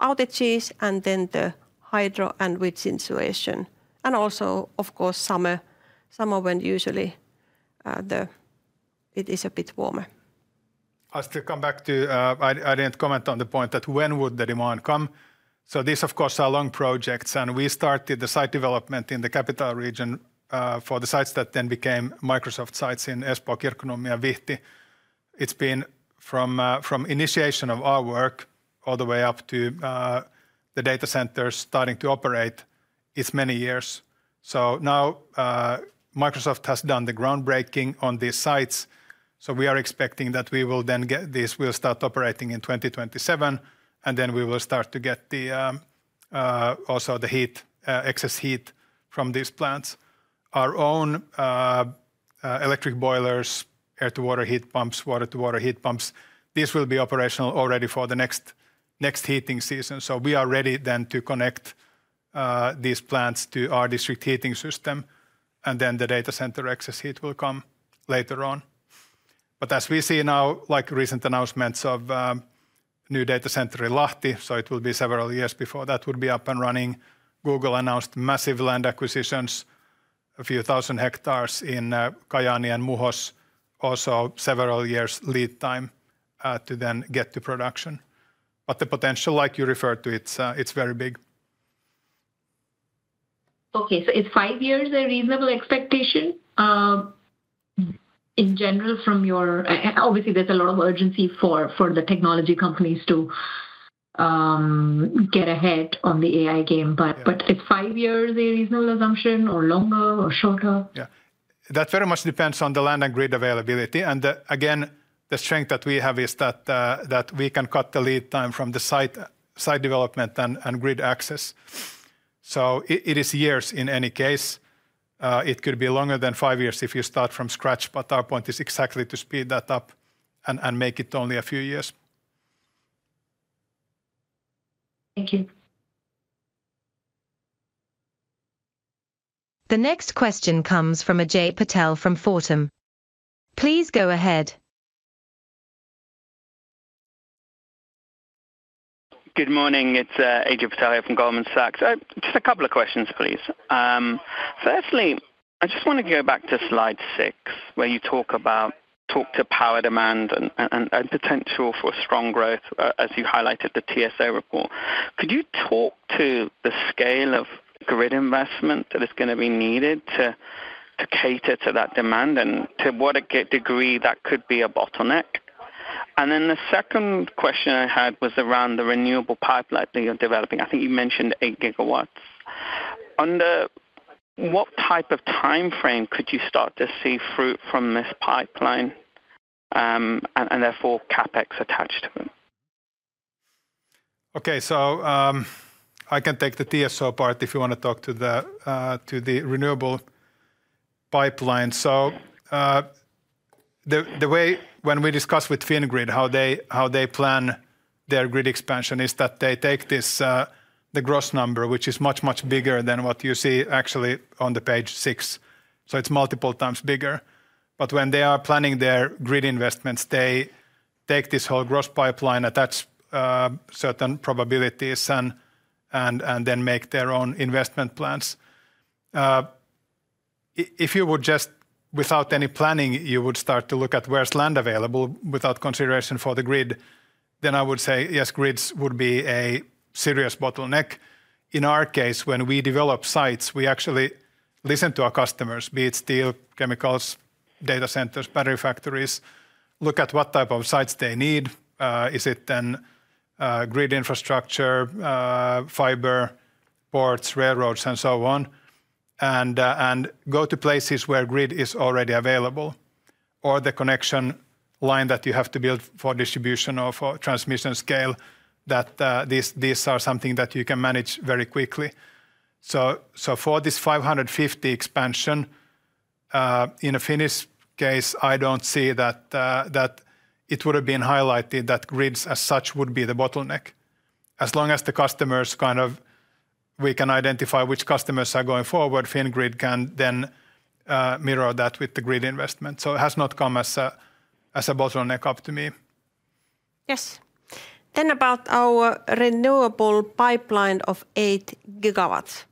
Outages and then the hydro and wind insulation. Also, of course, summer, summer when usually it is a bit warmer. I still come back to, I didn't comment on the point that when would the demand come. These, of course, are long projects. We started the site development in the capital region for the sites that then became Microsoft sites in Espoo, Kirkkonummi, and Vihti. It's been from initiation of our work all the way up to the data centers starting to operate. It's many years. Microsoft has done the groundbreaking on these sites. We are expecting that we will then get these, we'll start operating in 2027. We will start to get also the heat, excess heat from these plants. Our own electric boilers, air-to-water heat pumps, water-to-water heat pumps, these will be operational already for the next heating season. We are ready then to connect these plants to our district heating system. The data center excess heat will come later on. As we see now, like recent announcements of new data center in Lahti, it will be several years before that would be up and running. Google announced massive land acquisitions, a few thousand hectares in Kajaani and Muhos, also several years lead time to then get to production. The potential, like you referred to, it's very big. Okay, is five years a reasonable expectation? In general, from your, obviously, there's a lot of urgency for the technology companies to get ahead on the AI game. Is five years a reasonable assumption, or longer, or shorter? Yeah, that very much depends on the land and grid availability. The strength that we have is that we can cut the lead time from the site development and grid access. It is years in any case. It could be longer than five years if you start from scratch. Our point is exactly to speed that up and make it only a few years. Thank you. The next question comes from Ajay Patel from Fortum. Please go ahead. Good morning, it's Ajay Patel here from Goldman Sachs. Just a couple of questions, please. Firstly, I just want to go back to slide six, where you talk about power demand and potential for strong growth, as you highlighted the TSO report. Could you talk to the scale of grid investment that is going to be needed to cater to that demand and to what degree that could be a bottleneck? The second question I had was around the renewable pipeline that you're developing. I think you mentioned 8 GW. Under what type of timeframe could you start to see fruit from this pipeline and therefore CapEx attached to it? Okay, I can take the TSO part if you want to talk to the renewable pipeline. The way we discuss with Finngrid how they plan their grid expansion is that they take this gross number, which is much, much bigger than what you see actually on page six. It's multiple times bigger. When they are planning their grid investments, they take this whole gross pipeline, attach certain probabilities, and then make their own investment plans. If you would, without any planning, start to look at where land is available without consideration for the grid, I would say grids would be a serious bottleneck. In our case, when we develop sites, we actually listen to our customers, be it steel, chemicals, data centers, battery factories, and look at what type of sites they need. Is it grid infrastructure, fiber, ports, railroads, and so on? We go to places where grid is already available, or the connection line that you have to build for distribution or for transmission scale, these are something that you can manage very quickly. For this 550 expansion, in a Finnish case, I don't see that it would have been highlighted that grids as such would be the bottleneck. As long as the customers, we can identify which customers are going forward, Finngrid can then mirror that with the grid investment. It has not come as a bottleneck up to me. Yes. About our renewable pipeline of 8 gigawatts,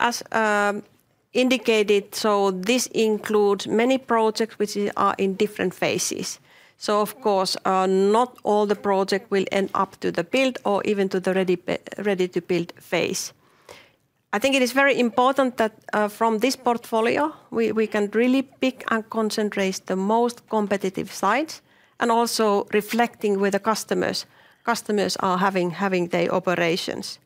as indicated, this includes many projects which are in different phases. Of course, not all the projects will end up to the build or even to the ready-to-build phase. I think it is very important that from this portfolio, we can really pick and concentrate the most competitive sites and also reflect with the customers. Customers are having their operations.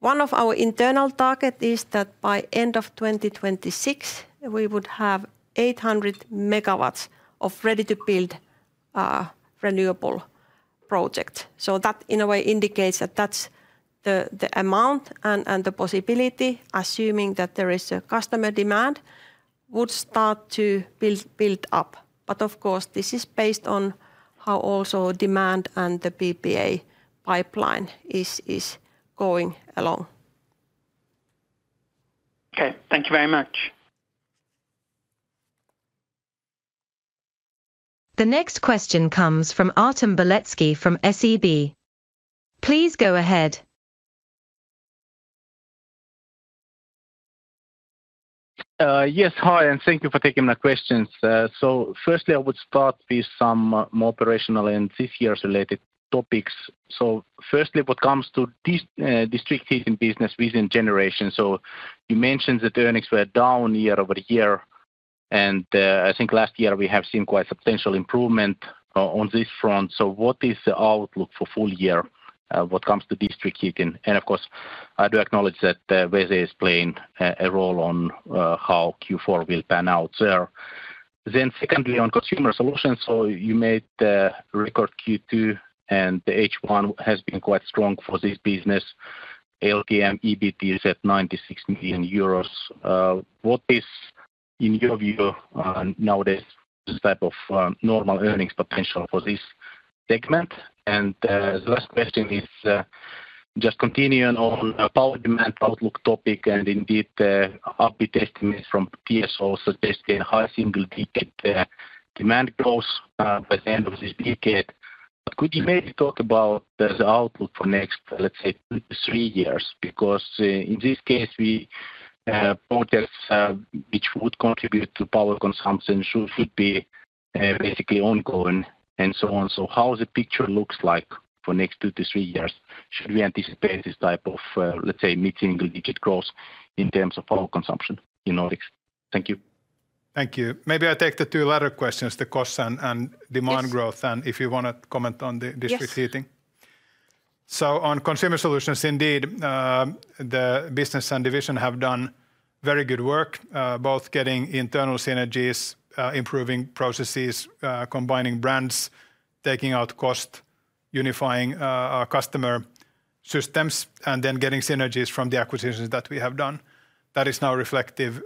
One of our internal targets is that by the end of 2026, we would have 800 MW of ready-to-build renewable projects. That in a way indicates that that's the amount and the possibility, assuming that there is a customer demand, would start to build up. Of course, this is based on how also demand and the PPA pipeline is going along. Okay, thank you very much. The next question comes from Artem Beletski from SEB. Please go ahead. Yes, hi, and thank you for taking my questions. Firstly, I would start with some more operational and this year's related topics. What comes to district heating business within generation? You mentioned that earnings were down year-over-year, and I think last year we have seen quite a substantial improvement on this front. What is the outlook for full year? What comes to district heating? I do acknowledge that Vaasan is playing a role on how Q4 will pan out there. Secondly, on consumer solutions, you made the record Q2, and the H1 has been quite strong for this business. LTM EBITDA is at 96 million euros. What is, in your view, nowadays, the type of normal earnings potential for this segment? The last question is just continuing on a power demand outlook topic, and indeed, the upbeat estimates from TSO suggest a high single-digit demand growth by the end of this decade. Could you maybe talk about the outlook for the next, let's say, two to three years? In this case, we have projects which would contribute to power consumption, should be basically ongoing and so on. How does the picture look like for the next two to three years? Should we anticipate this type of, let's say, mid-single-digit growth in terms of power consumption in Nordics? Thank you. Thank you. Maybe I take the two latter questions, the cost and demand growth, and if you want to comment on the district heating. Yes. On consumer solutions, indeed, the business and division have done very good work, both getting internal synergies, improving processes, combining brands, taking out cost, unifying customer systems, and then getting synergies from the acquisitions that we have done. That is now reflective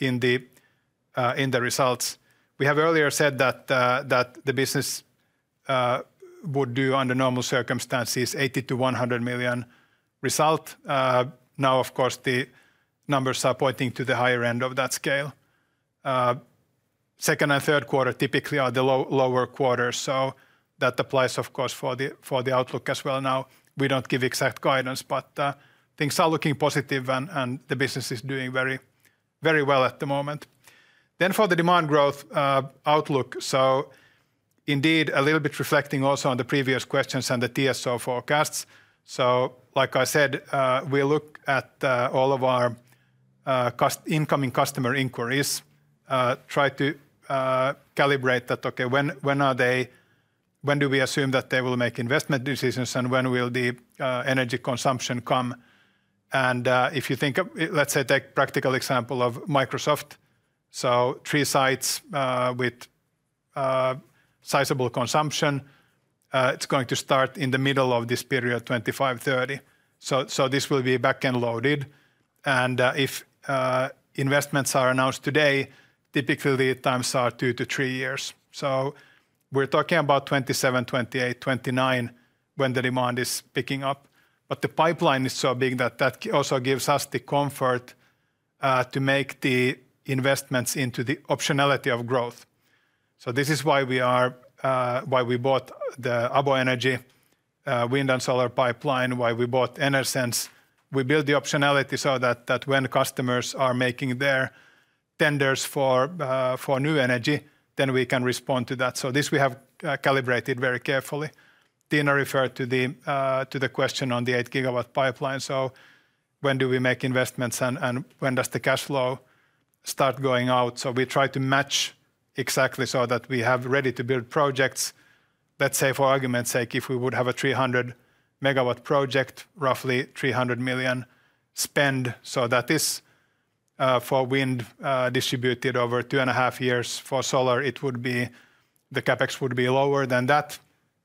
in the results. We have earlier said that the business would do, under normal circumstances, 80 million-100 million result. Now, of course, the numbers are pointing to the higher end of that scale. Second and third quarter typically are the lower quarters, so that applies, of course, for the outlook as well. We don't give exact guidance, but things are looking positive and the business is doing very, very well at the moment. For the demand growth outlook, indeed a little bit reflecting also on the previous questions and the TSO forecasts. Like I said, we look at all of our incoming customer inquiries, try to calibrate that, okay, when are they, when do we assume that they will make investment decisions and when will the energy consumption come? If you think, let's say, take a practical example of Microsoft, three sites with sizable consumption, it's going to start in the middle of this period, 2025-2030. This will be back and loaded. If investments are announced today, typically the times are two to three years. We're talking about 2027, 2028, 2029 when the demand is picking up. The pipeline is so big that that also gives us the comfort to make the investments into the optionality of growth. This is why we bought the ABO Energy wind and solar pipeline, why we bought Enersense. We built the optionality so that when customers are making their tenders for new energy, then we can respond to that. This we have calibrated very carefully. Tiina referred to the question on the eight gigawatt pipeline. When do we make investments and when does the cash flow start going out? We try to match exactly so that we have ready-to-build projects. Let's say for argument's sake, if we would have a 300 MW project, roughly 300 million spend. That is for wind distributed over 2.5 years. For solar, the CapEx would be lower than that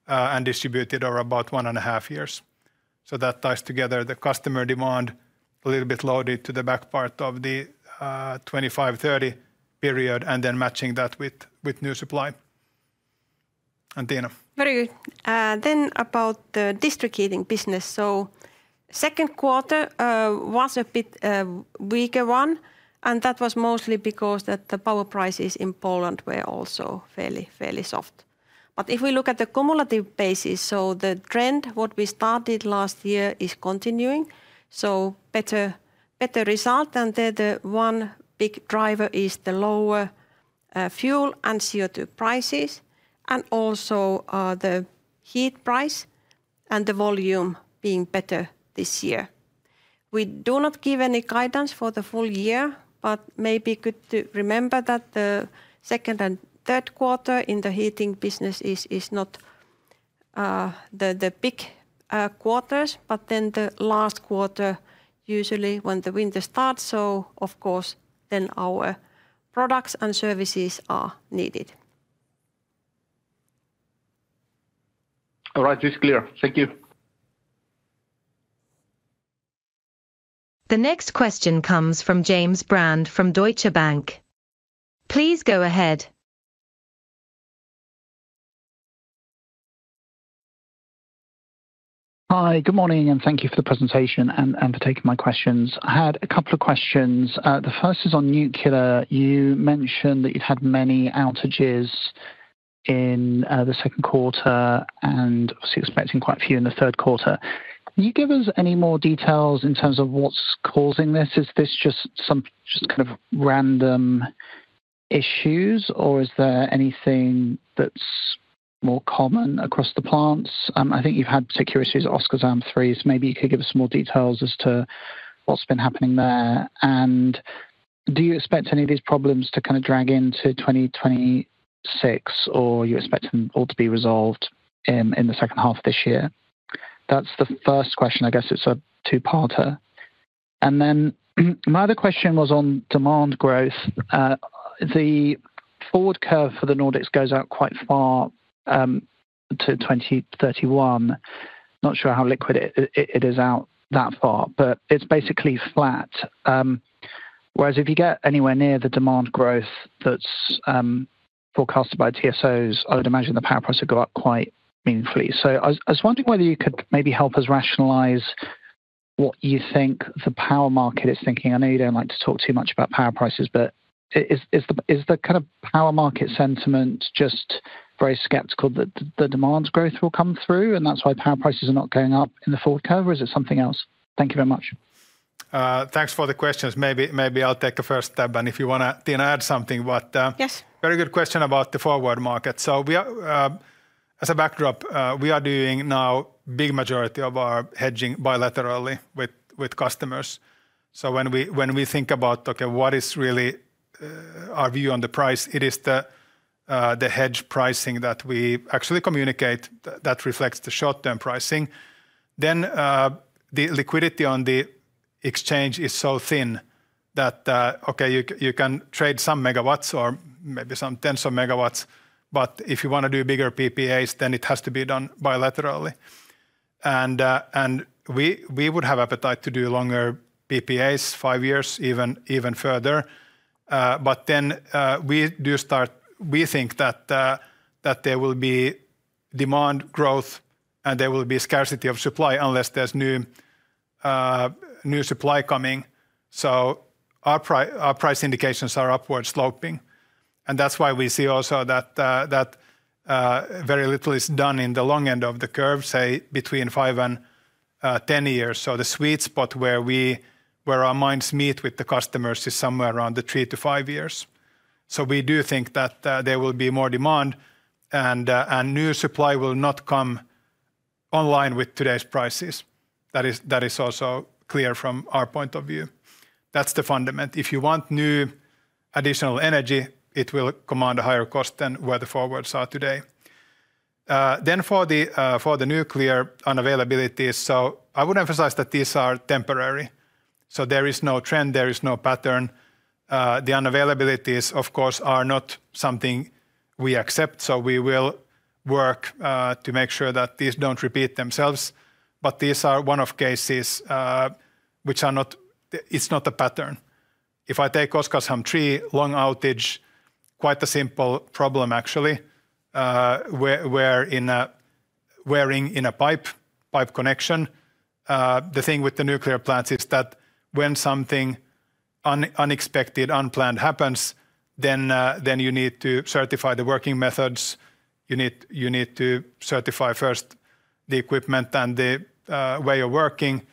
and distributed over about one and a half years. That ties together the customer demand a little bit loaded to the back part of the 2025-2030 period and then matching that with new supply. Tiina. Very good. About the district heating business, the second quarter was a bit weaker one, and that was mostly because the power prices in Poland were also fairly, fairly soft. If we look at the cumulative basis, the trend, what we started last year, is continuing. Better results, and then the one big driver is the lower fuel and CO2 prices and also the heat price and the volume being better this year. We do not give any guidance for the full year, but maybe good to remember that the second and third quarter in the heating business is not the big quarters, but the last quarter usually is when the winter starts. Of course, then our products and services are needed. All right, this is clear. Thank you. The next question comes from James Brand from Deutsche Bank. Please go ahead. Hi, good morning, and thank you for the presentation and for taking my questions. I had a couple of questions. The first is on nuclear. You mentioned that you'd had many outages in the second quarter and you're expecting quite a few in the third quarter. Can you give us any more details in terms of what's causing this? Is this just some kind of random issues, or is there anything that's more common across the plants? I think you've had securities at Oskarshamn three, so maybe you could give us more details as to what's been happening there. Do you expect any of these problems to kind of drag into 2026, or do you expect them all to be resolved in the second half of this year? That's the first question. I guess it's a two-parter. My other question was on demand growth. The forward curve for the Nordics goes out quite far to 2031. Not sure how liquid it is out that far, but it's basically flat. Whereas if you get anywhere near the demand growth that's forecasted by TSOs, I would imagine the power price would go up quite meaningfully. I was wondering whether you could maybe help us rationalize what you think the power market is thinking. I know you don't like to talk too much about power prices, but is the kind of power market sentiment just very skeptical that the demand growth will come through and that's why power prices are not going up in the forward curve? Or is it something else? Thank you very much. Thanks for the questions. Maybe I'll take the first step, and if you want to add something, very good question about the forward market. As a backdrop, we are doing now a big majority of our hedging bilaterally with customers. When we think about, okay, what is really our view on the price, it is the hedge pricing that we actually communicate that reflects the short-term pricing. The liquidity on the exchange is so thin that, okay, you can care. Some Megawatts or maybe some 10s of MWs. If you want to do bigger PPAs, it has to be done bilaterally. We would have appetite to do longer PPAs, five years, even further. We think that there will be demand growth and there will be scarcity of supply unless there's new supply coming. Our price indications are upward sloping. That's why we see also that very little is done in the long end of the curve, say between five and ten years. The sweet spot where our minds meet with the customers is somewhere around the three to five years. We do think that there will be more demand and new supply will not come online with today's prices. That is also clear from our point of view. That's the fundament. If you want new additional energy, it will command a higher cost than what the forwards are today. For the nuclear unavailability, I would emphasize that these are temporary. There is no trend, there is no pattern. The unavailabilities, of course, are not something we accept. We will work to make sure that these don't repeat themselves. These are one-off cases, which are not a pattern. If I take Oskarshamn 3, long outage, quite a simple problem, actually. We're in a pipe connection. The thing with the nuclear plants is that when something unexpected, unplanned happens, you need to certify the working methods. You need to certify first the equipment and the way of working,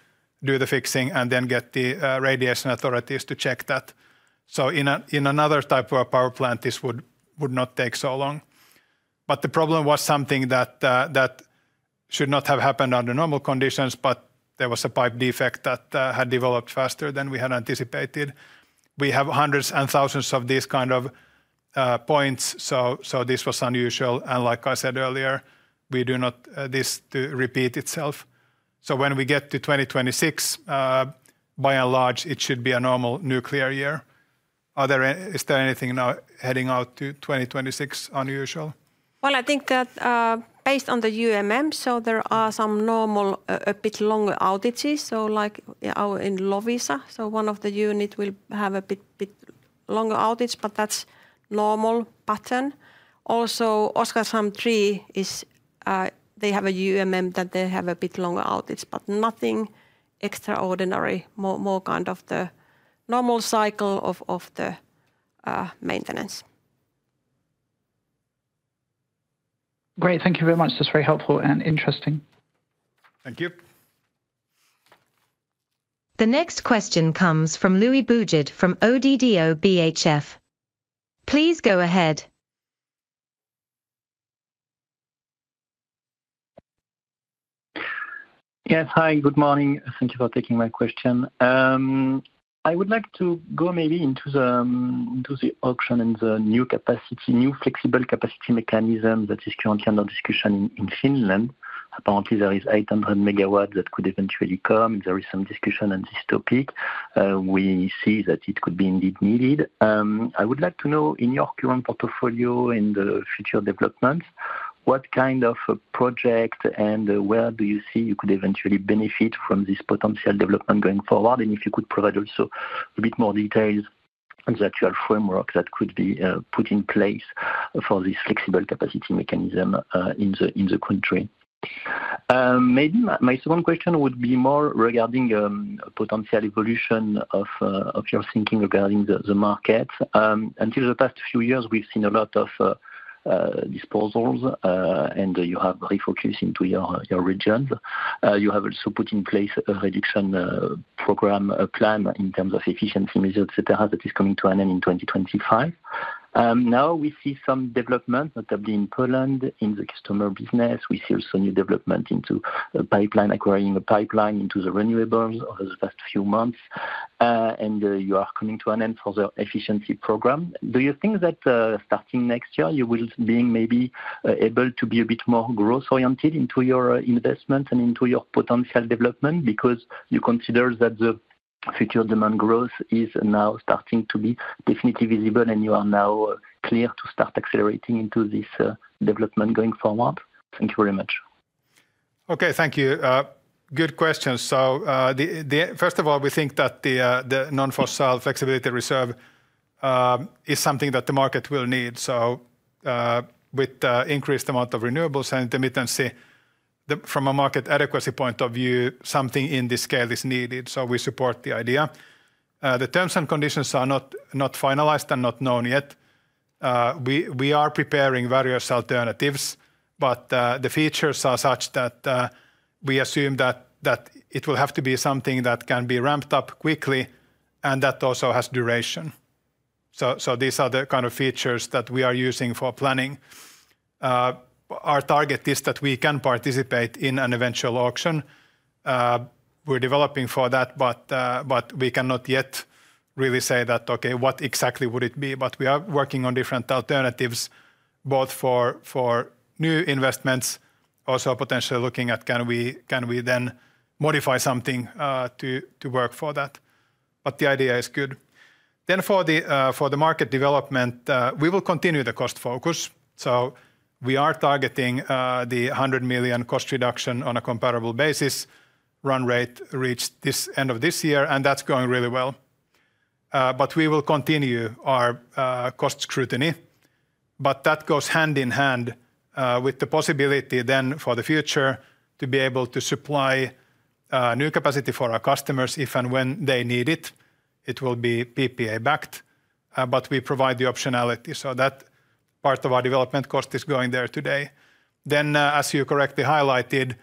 do the fixing, and then get the radiation authorities to check that. In another type of power plant, this would not take so long. The problem was something that should not have happened under normal conditions, but there was a pipe defect that had developed faster than we had anticipated. We have hundreds and thousands of these kind of points. This was unusual. Like I said earlier, we do not want this to repeat itself. When we get to 2026, by and large, it should be a normal nuclear year. Is there anything now heading out to 2026 unusual? I think that, based on the, there are some normal, a bit longer outages. Like in Loviisa, one of the units will have a bit longer outages, but that's a normal pattern. Also, Oskarshamn 3, they have a bit longer outages, but nothing extraordinary. More the normal cycle of maintenance. Great, thank you very much. That's very helpful and interesting. Thank you. The next question comes from Louis Boujard from ODDO BHF. Please go ahead. Yes, hi, good morning. Thank you for taking my question. I would like to go into the option and the new capacity, new flexible capacity mechanism that is currently under discussion in Finland. Apparently, there is 800 MW that could eventually come. There is some discussion on this topic. We see that it could be indeed needed. I would like to know in your current portfolio and the future developments, what kind of a project and where do you see you could eventually benefit from this potential development going forward? If you could provide also a bit more details on the actual framework that could be put in place for this flexible capacity mechanism in the country. Maybe my second question would be more regarding a potential evolution of your thinking regarding the market. Until the past few years, we've seen a lot of disposals, and you have refocused into your regions. You have also put in place a reduction program plan in terms of efficiency measures, etc., that is coming to an end in 2025. Now we see some development, notably in Poland, in the customer business. We see also new development into a pipeline, acquiring a pipeline into the renewables over the past few months. You are coming to an end for the efficiency program. Do you think that starting next year, you will be maybe able to be a bit more growth-oriented into your investment and into your potential development because you consider that the future demand growth is now starting to be definitely visible and you are now clear to start accelerating into this development going forward? Thank you very much. Okay, thank you. Good question. First of all, we think that the non-fossil flexibility reserve is something that the market will need. With the increased amount of renewables and intermittency, from a market adequacy point of view, something in this scale is needed. We support the idea. The terms and conditions are not finalized and not known yet. We are preparing various alternatives, but the features are such that we assume that it will have to be something that can be ramped up quickly and that also has duration. These are the kind of features that we are using for planning. Our target is that we can participate in an eventual auction. We are developing for that, but we cannot yet really say what exactly would it be. We are working on different alternatives, both for new investments, also potentially looking at can we then modify something to work for that. The idea is good. For the market development, we will continue the cost focus. We are targeting the 100 million cost reduction on a comparable basis. Run rate reached this end of this year, and that's going really well. We will continue our cost scrutiny. That goes hand in hand with the possibility for the future to be able to supply new capacity for our customers if and when they need it. It will be PPA-backed, but we provide the optionality. That part of our development cost is going there today. As you correctly highlighted,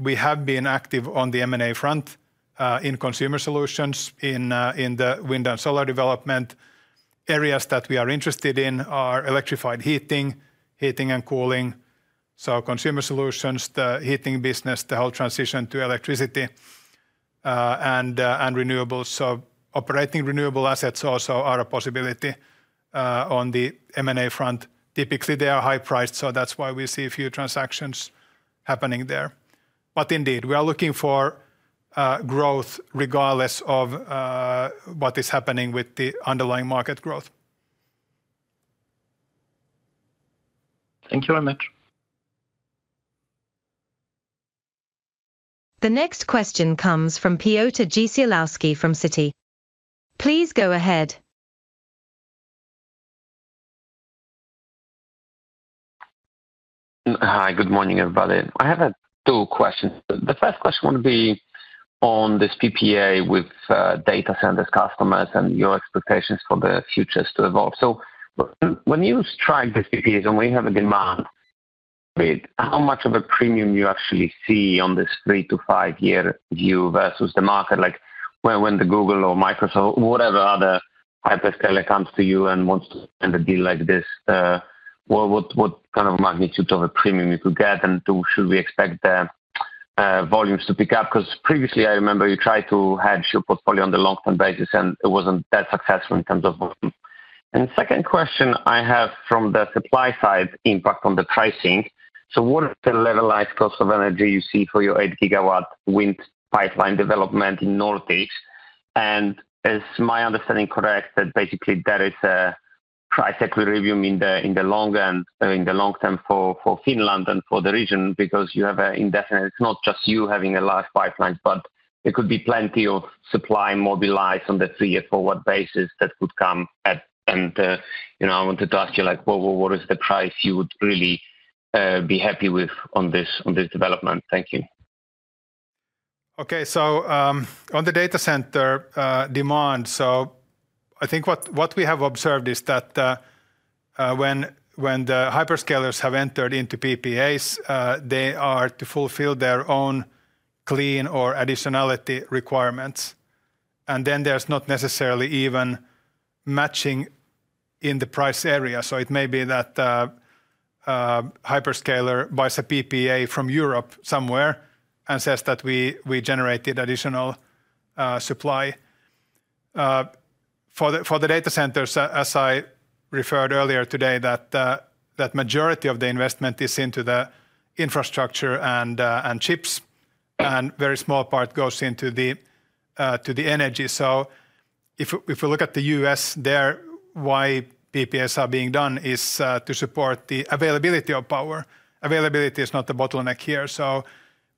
we have been active on the M&A front in consumer solutions, in the wind and solar development. Areas that we are interested in are electrified heating, heating and cooling. Consumer solutions, the heating business, the whole transition to electricity, and renewables. Operating renewable assets also are a possibility on the M&A front. Typically, they are high priced. That's why we see a few transactions happening there. Indeed, we are looking for growth regardless of what is happening with the underlying market growth. Thank you very much. The next question comes from Piotr Dzieciolowski from Citi. Please go ahead. Hi, good morning everybody. I have two questions. The first question would be on this PPA with data centers customers and your expectations for the futures to evolve. When you strike this PPA and when you have a demand rate, how much of a premium do you actually see on this three to five year view versus the market? When Google or Microsoft, whatever other hyperscaler comes to you and wants to end a deal like this, what kind of magnitude of a premium could you get and should we expect the volumes to pick up? Previously, I remember you tried to hedge your portfolio on a long-term basis and it wasn't that successful in terms of volume. The second question I have is from the supply side impact on the pricing. What are the levelized costs of energy you see for your 8 GW Wind Pipeline development in the Northeast? Is my understanding correct that basically that is a price equilibrium in the long term for Finland and for the region because you have an indefinite, it's not just you having a large pipeline, but there could be plenty of supply mobilized on the three-year forward basis that would come at. I wanted to ask you, what is the price you would really be happy with on this development? Thank you. Okay, on the data center demand, what we have observed is that when the hyperscalers have entered into PPAs, they are to fulfill their own clean or additionality requirements. There's not necessarily even matching in the price area. It may be that a hyperscaler buys a PPA from Europe somewhere and says that we generated additional supply. For the data centers, as I referred earlier today, the majority of the investment is into the infrastructure and chips, and a very small part goes to the energy. If we look at the U.S., why PPAs are being done is to support the availability of power. Availability is not the bottleneck here.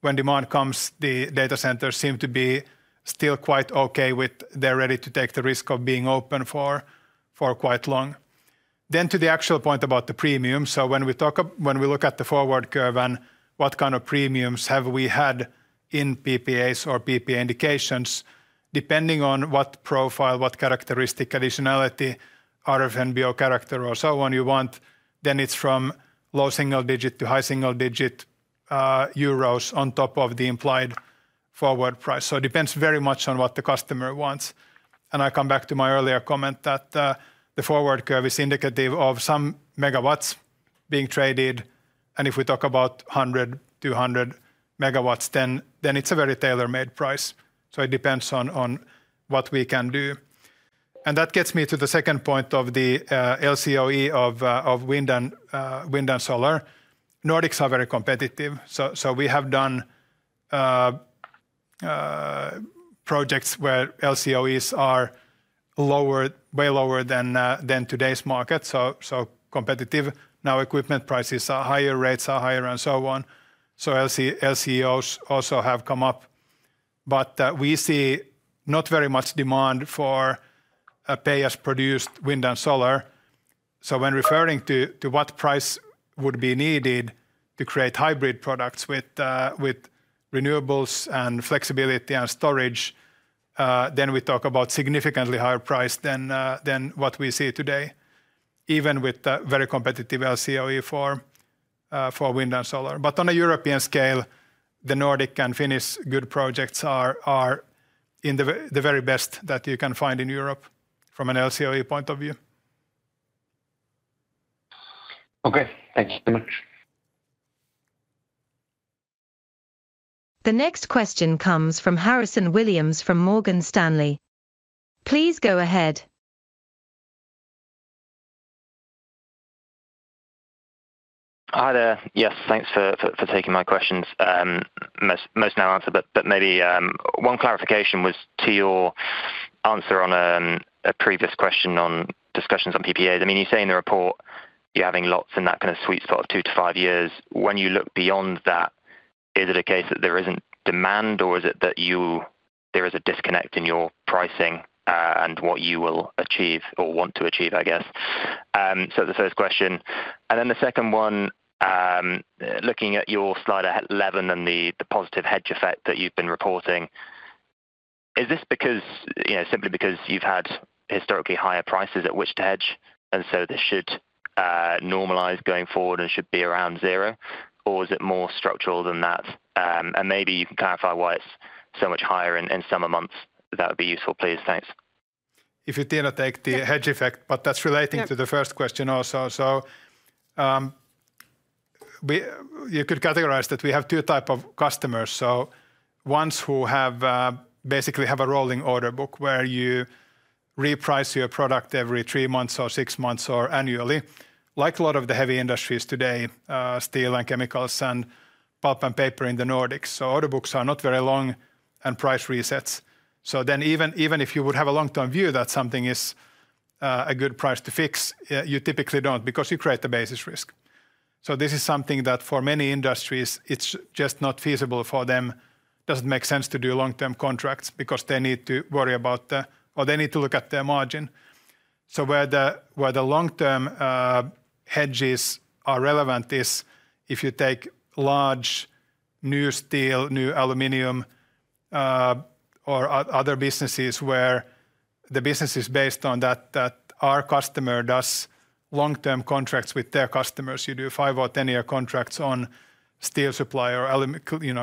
When demand comes, the data centers seem to be still quite okay with it, they're ready to take the risk of being open for quite long. To the actual point about the premium, when we look at the forward curve and what kind of premiums have we had in PPAs or PPA indications, depending on what profile, what characteristic, additionality, RFNBO character, or so on you want, it's from low single digit to high single digit euros on top of the implied forward price. It depends very much on what the customer wants. I come back to my earlier comment that the forward curve is indicative of some MW being traded. If we talk about 100, 200 MW, it's a very tailor-made price. It depends on what we can do. That gets me to the second point of the LCOE of wind and solar. Nordics are very competitive. We have done projects where LCOEs are way lower than today's market. Now equipment prices are higher, rates are higher, and so on. LCOEs also have come up. We see not very much demand for a pay-as-produced wind and solar. When referring to what price would be needed to create hybrid products with renewables and flexibility and storage, we talk about a significantly higher price than what we see today, even with a very competitive LCOE for wind and solar. On a European scale, the Nordic and Finnish good projects are the very best that you can find in Europe from an LCOE point of view. Okay, thanks very much. The next question comes from Harrison Williams from Morgan Stanley. Please go ahead. Hi there. Yes, thanks for taking my questions. Most now answered, but maybe one clarification was to your answer on a previous question on discussions on PPA. You say in the report you're having lots in that kind of sweet spot of two to five years. When you look beyond that, is it a case that there isn't demand or is it that there is a disconnect in your pricing and what you will achieve or want to achieve, I guess? That's the first question. The second one, looking at your slide 11 and the positive hedge effect that you've been reporting, is this simply because you've had historically higher prices at which to hedge? This should normalize going forward and should be around zero, or is it more structural than that? Maybe you can clarify why it's so much higher in summer months, that would be useful, please. Thanks. If you dare take the hedge effect, but that's relating to the first question also. You could categorize that we have two types of customers. Ones who basically have a rolling order book where you reprice your product every three months or six months or annually, like a lot of the heavy industries today, steel and chemicals and pulp and paper in the Nordics. Order books are not very long and price resets. Even if you would have a long-term view that something is a good price to fix, you typically don't because you create a basis risk. This is something that for many industries, it's just not feasible for them. It doesn't make sense to do long-term contracts because they need to worry about, or they need to look at, their margin. Where the long-term hedges are relevant is if you take large new steel, new aluminum, or other businesses where the business is based on that, that our customer does long-term contracts with their customers. You do five or ten-year contracts on steel supply or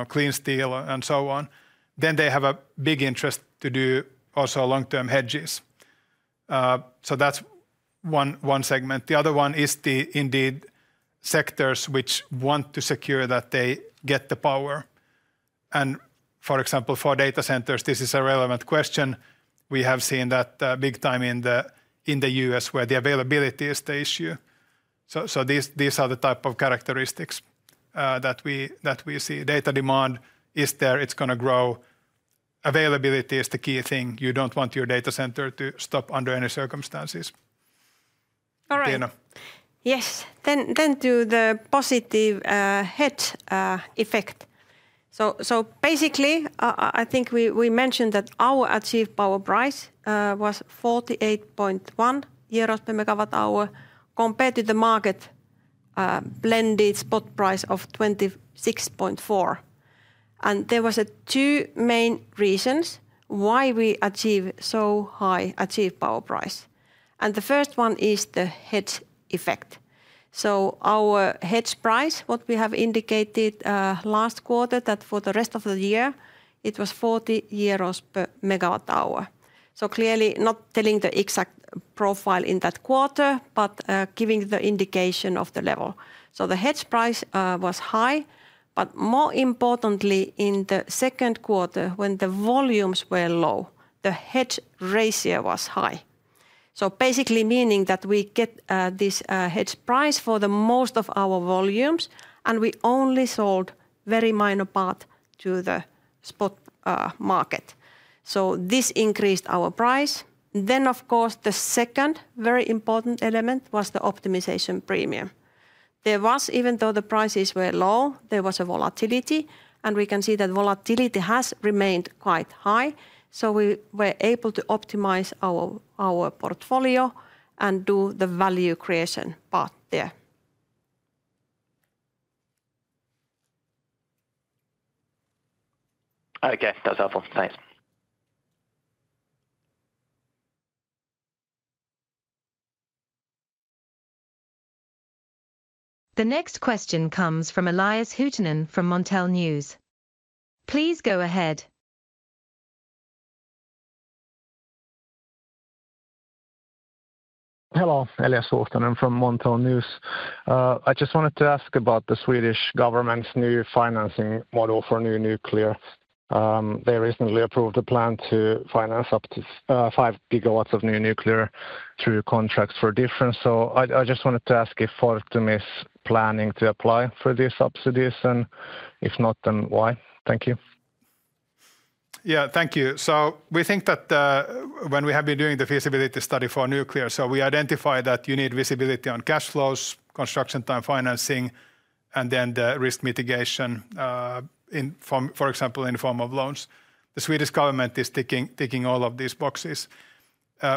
clean steel and so on. They have a big interest to do also long-term hedges. That's one segment. The other one is the indeed sectors which want to secure that they get the power. For example, for data centers, this is a relevant question. We have seen that big time in the U.S. where the availability is the issue. These are the type of characteristics that we see. Data demand is there, it's going to grow. Availability is the key thing. You don't want your data center to stop under any circumstances. All right. Yes. To the positive hedge effect, I think we mentioned that our achieved power price was 48.1 euros/MWh compared to the market blended spot price of 26.4. There were two main reasons why we achieved such a high achieved power price. The first one is the hedge effect. Our hedge price, what we have indicated last quarter, for the rest of the year, was 40 euros/MWh. Clearly not telling the exact profile in that quarter, but giving the indication of the level. The hedge price was high, but more importantly, in the second quarter, when the volumes were low, the hedge ratio was high. Basically meaning that we get this hedge price for most of our volumes, and we only sold a very minor part to the spot market. This increased our price. The second very important element was the optimization premium. Even though the prices were low, there was volatility, and we can see that volatility has remained quite high. We were able to optimize our portfolio and do the value creation part there. Okay, that's helpful. Thanks. The next question comes from Elias Huuhtanen from Montel News. Please go ahead. Hello, Elias Huuhtanen from Montel News. I just wanted to ask about the Swedish government's new financing model for new nuclear. They recently approved a plan to finance up to 5 GW of new nuclear through contracts for difference. I just wanted to ask if Fortum is planning to apply for this subsidy, and if not, then why? Thank you. Thank you. We think that when we have been doing the feasibility study for nuclear, we identify that you need visibility on cash flows, construction time, financing, and then the risk mitigation, for example, in the form of loans. The Swedish government is ticking all of these boxes.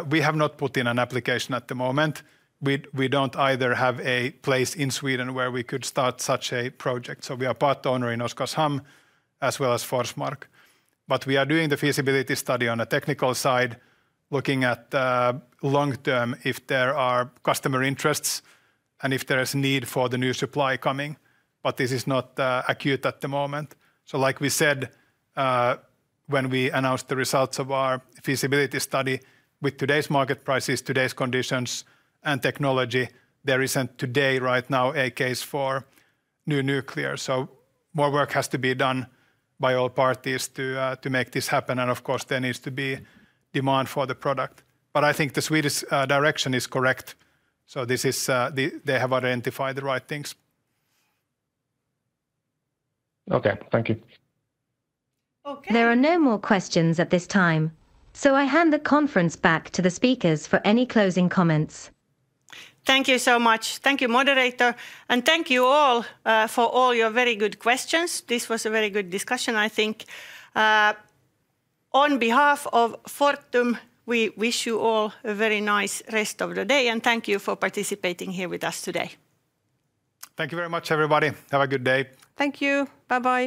We have not put in an application at the moment. We don't either have a place in Sweden where we could start such a project. We are part owner in Oskarshamn as well as Forsmark. We are doing the feasibility study on the technical side, looking at long term if there are customer interests and if there is a need for the new supply coming. This is not acute at the moment. Like we said, when we announced the results of our feasibility study, with today's market prices, today's conditions, and technology, there isn't today right now a case for new nuclear. More work has to be done by all parties to make this happen. Of course, there needs to be demand for the product. I think the Swedish direction is correct. They have identified the right things. Okay, thank you. There are no more questions at this time. I hand the conference back to the speakers for any closing comments. Thank you so much. Thank you, moderator. Thank you all for all your very good questions. This was a very good discussion, I think. On behalf of Fortum, we wish you all a very nice rest of the day. Thank you for participating here with us today. Thank you very much, everybody. Have a good day. Thank you. Bye-bye.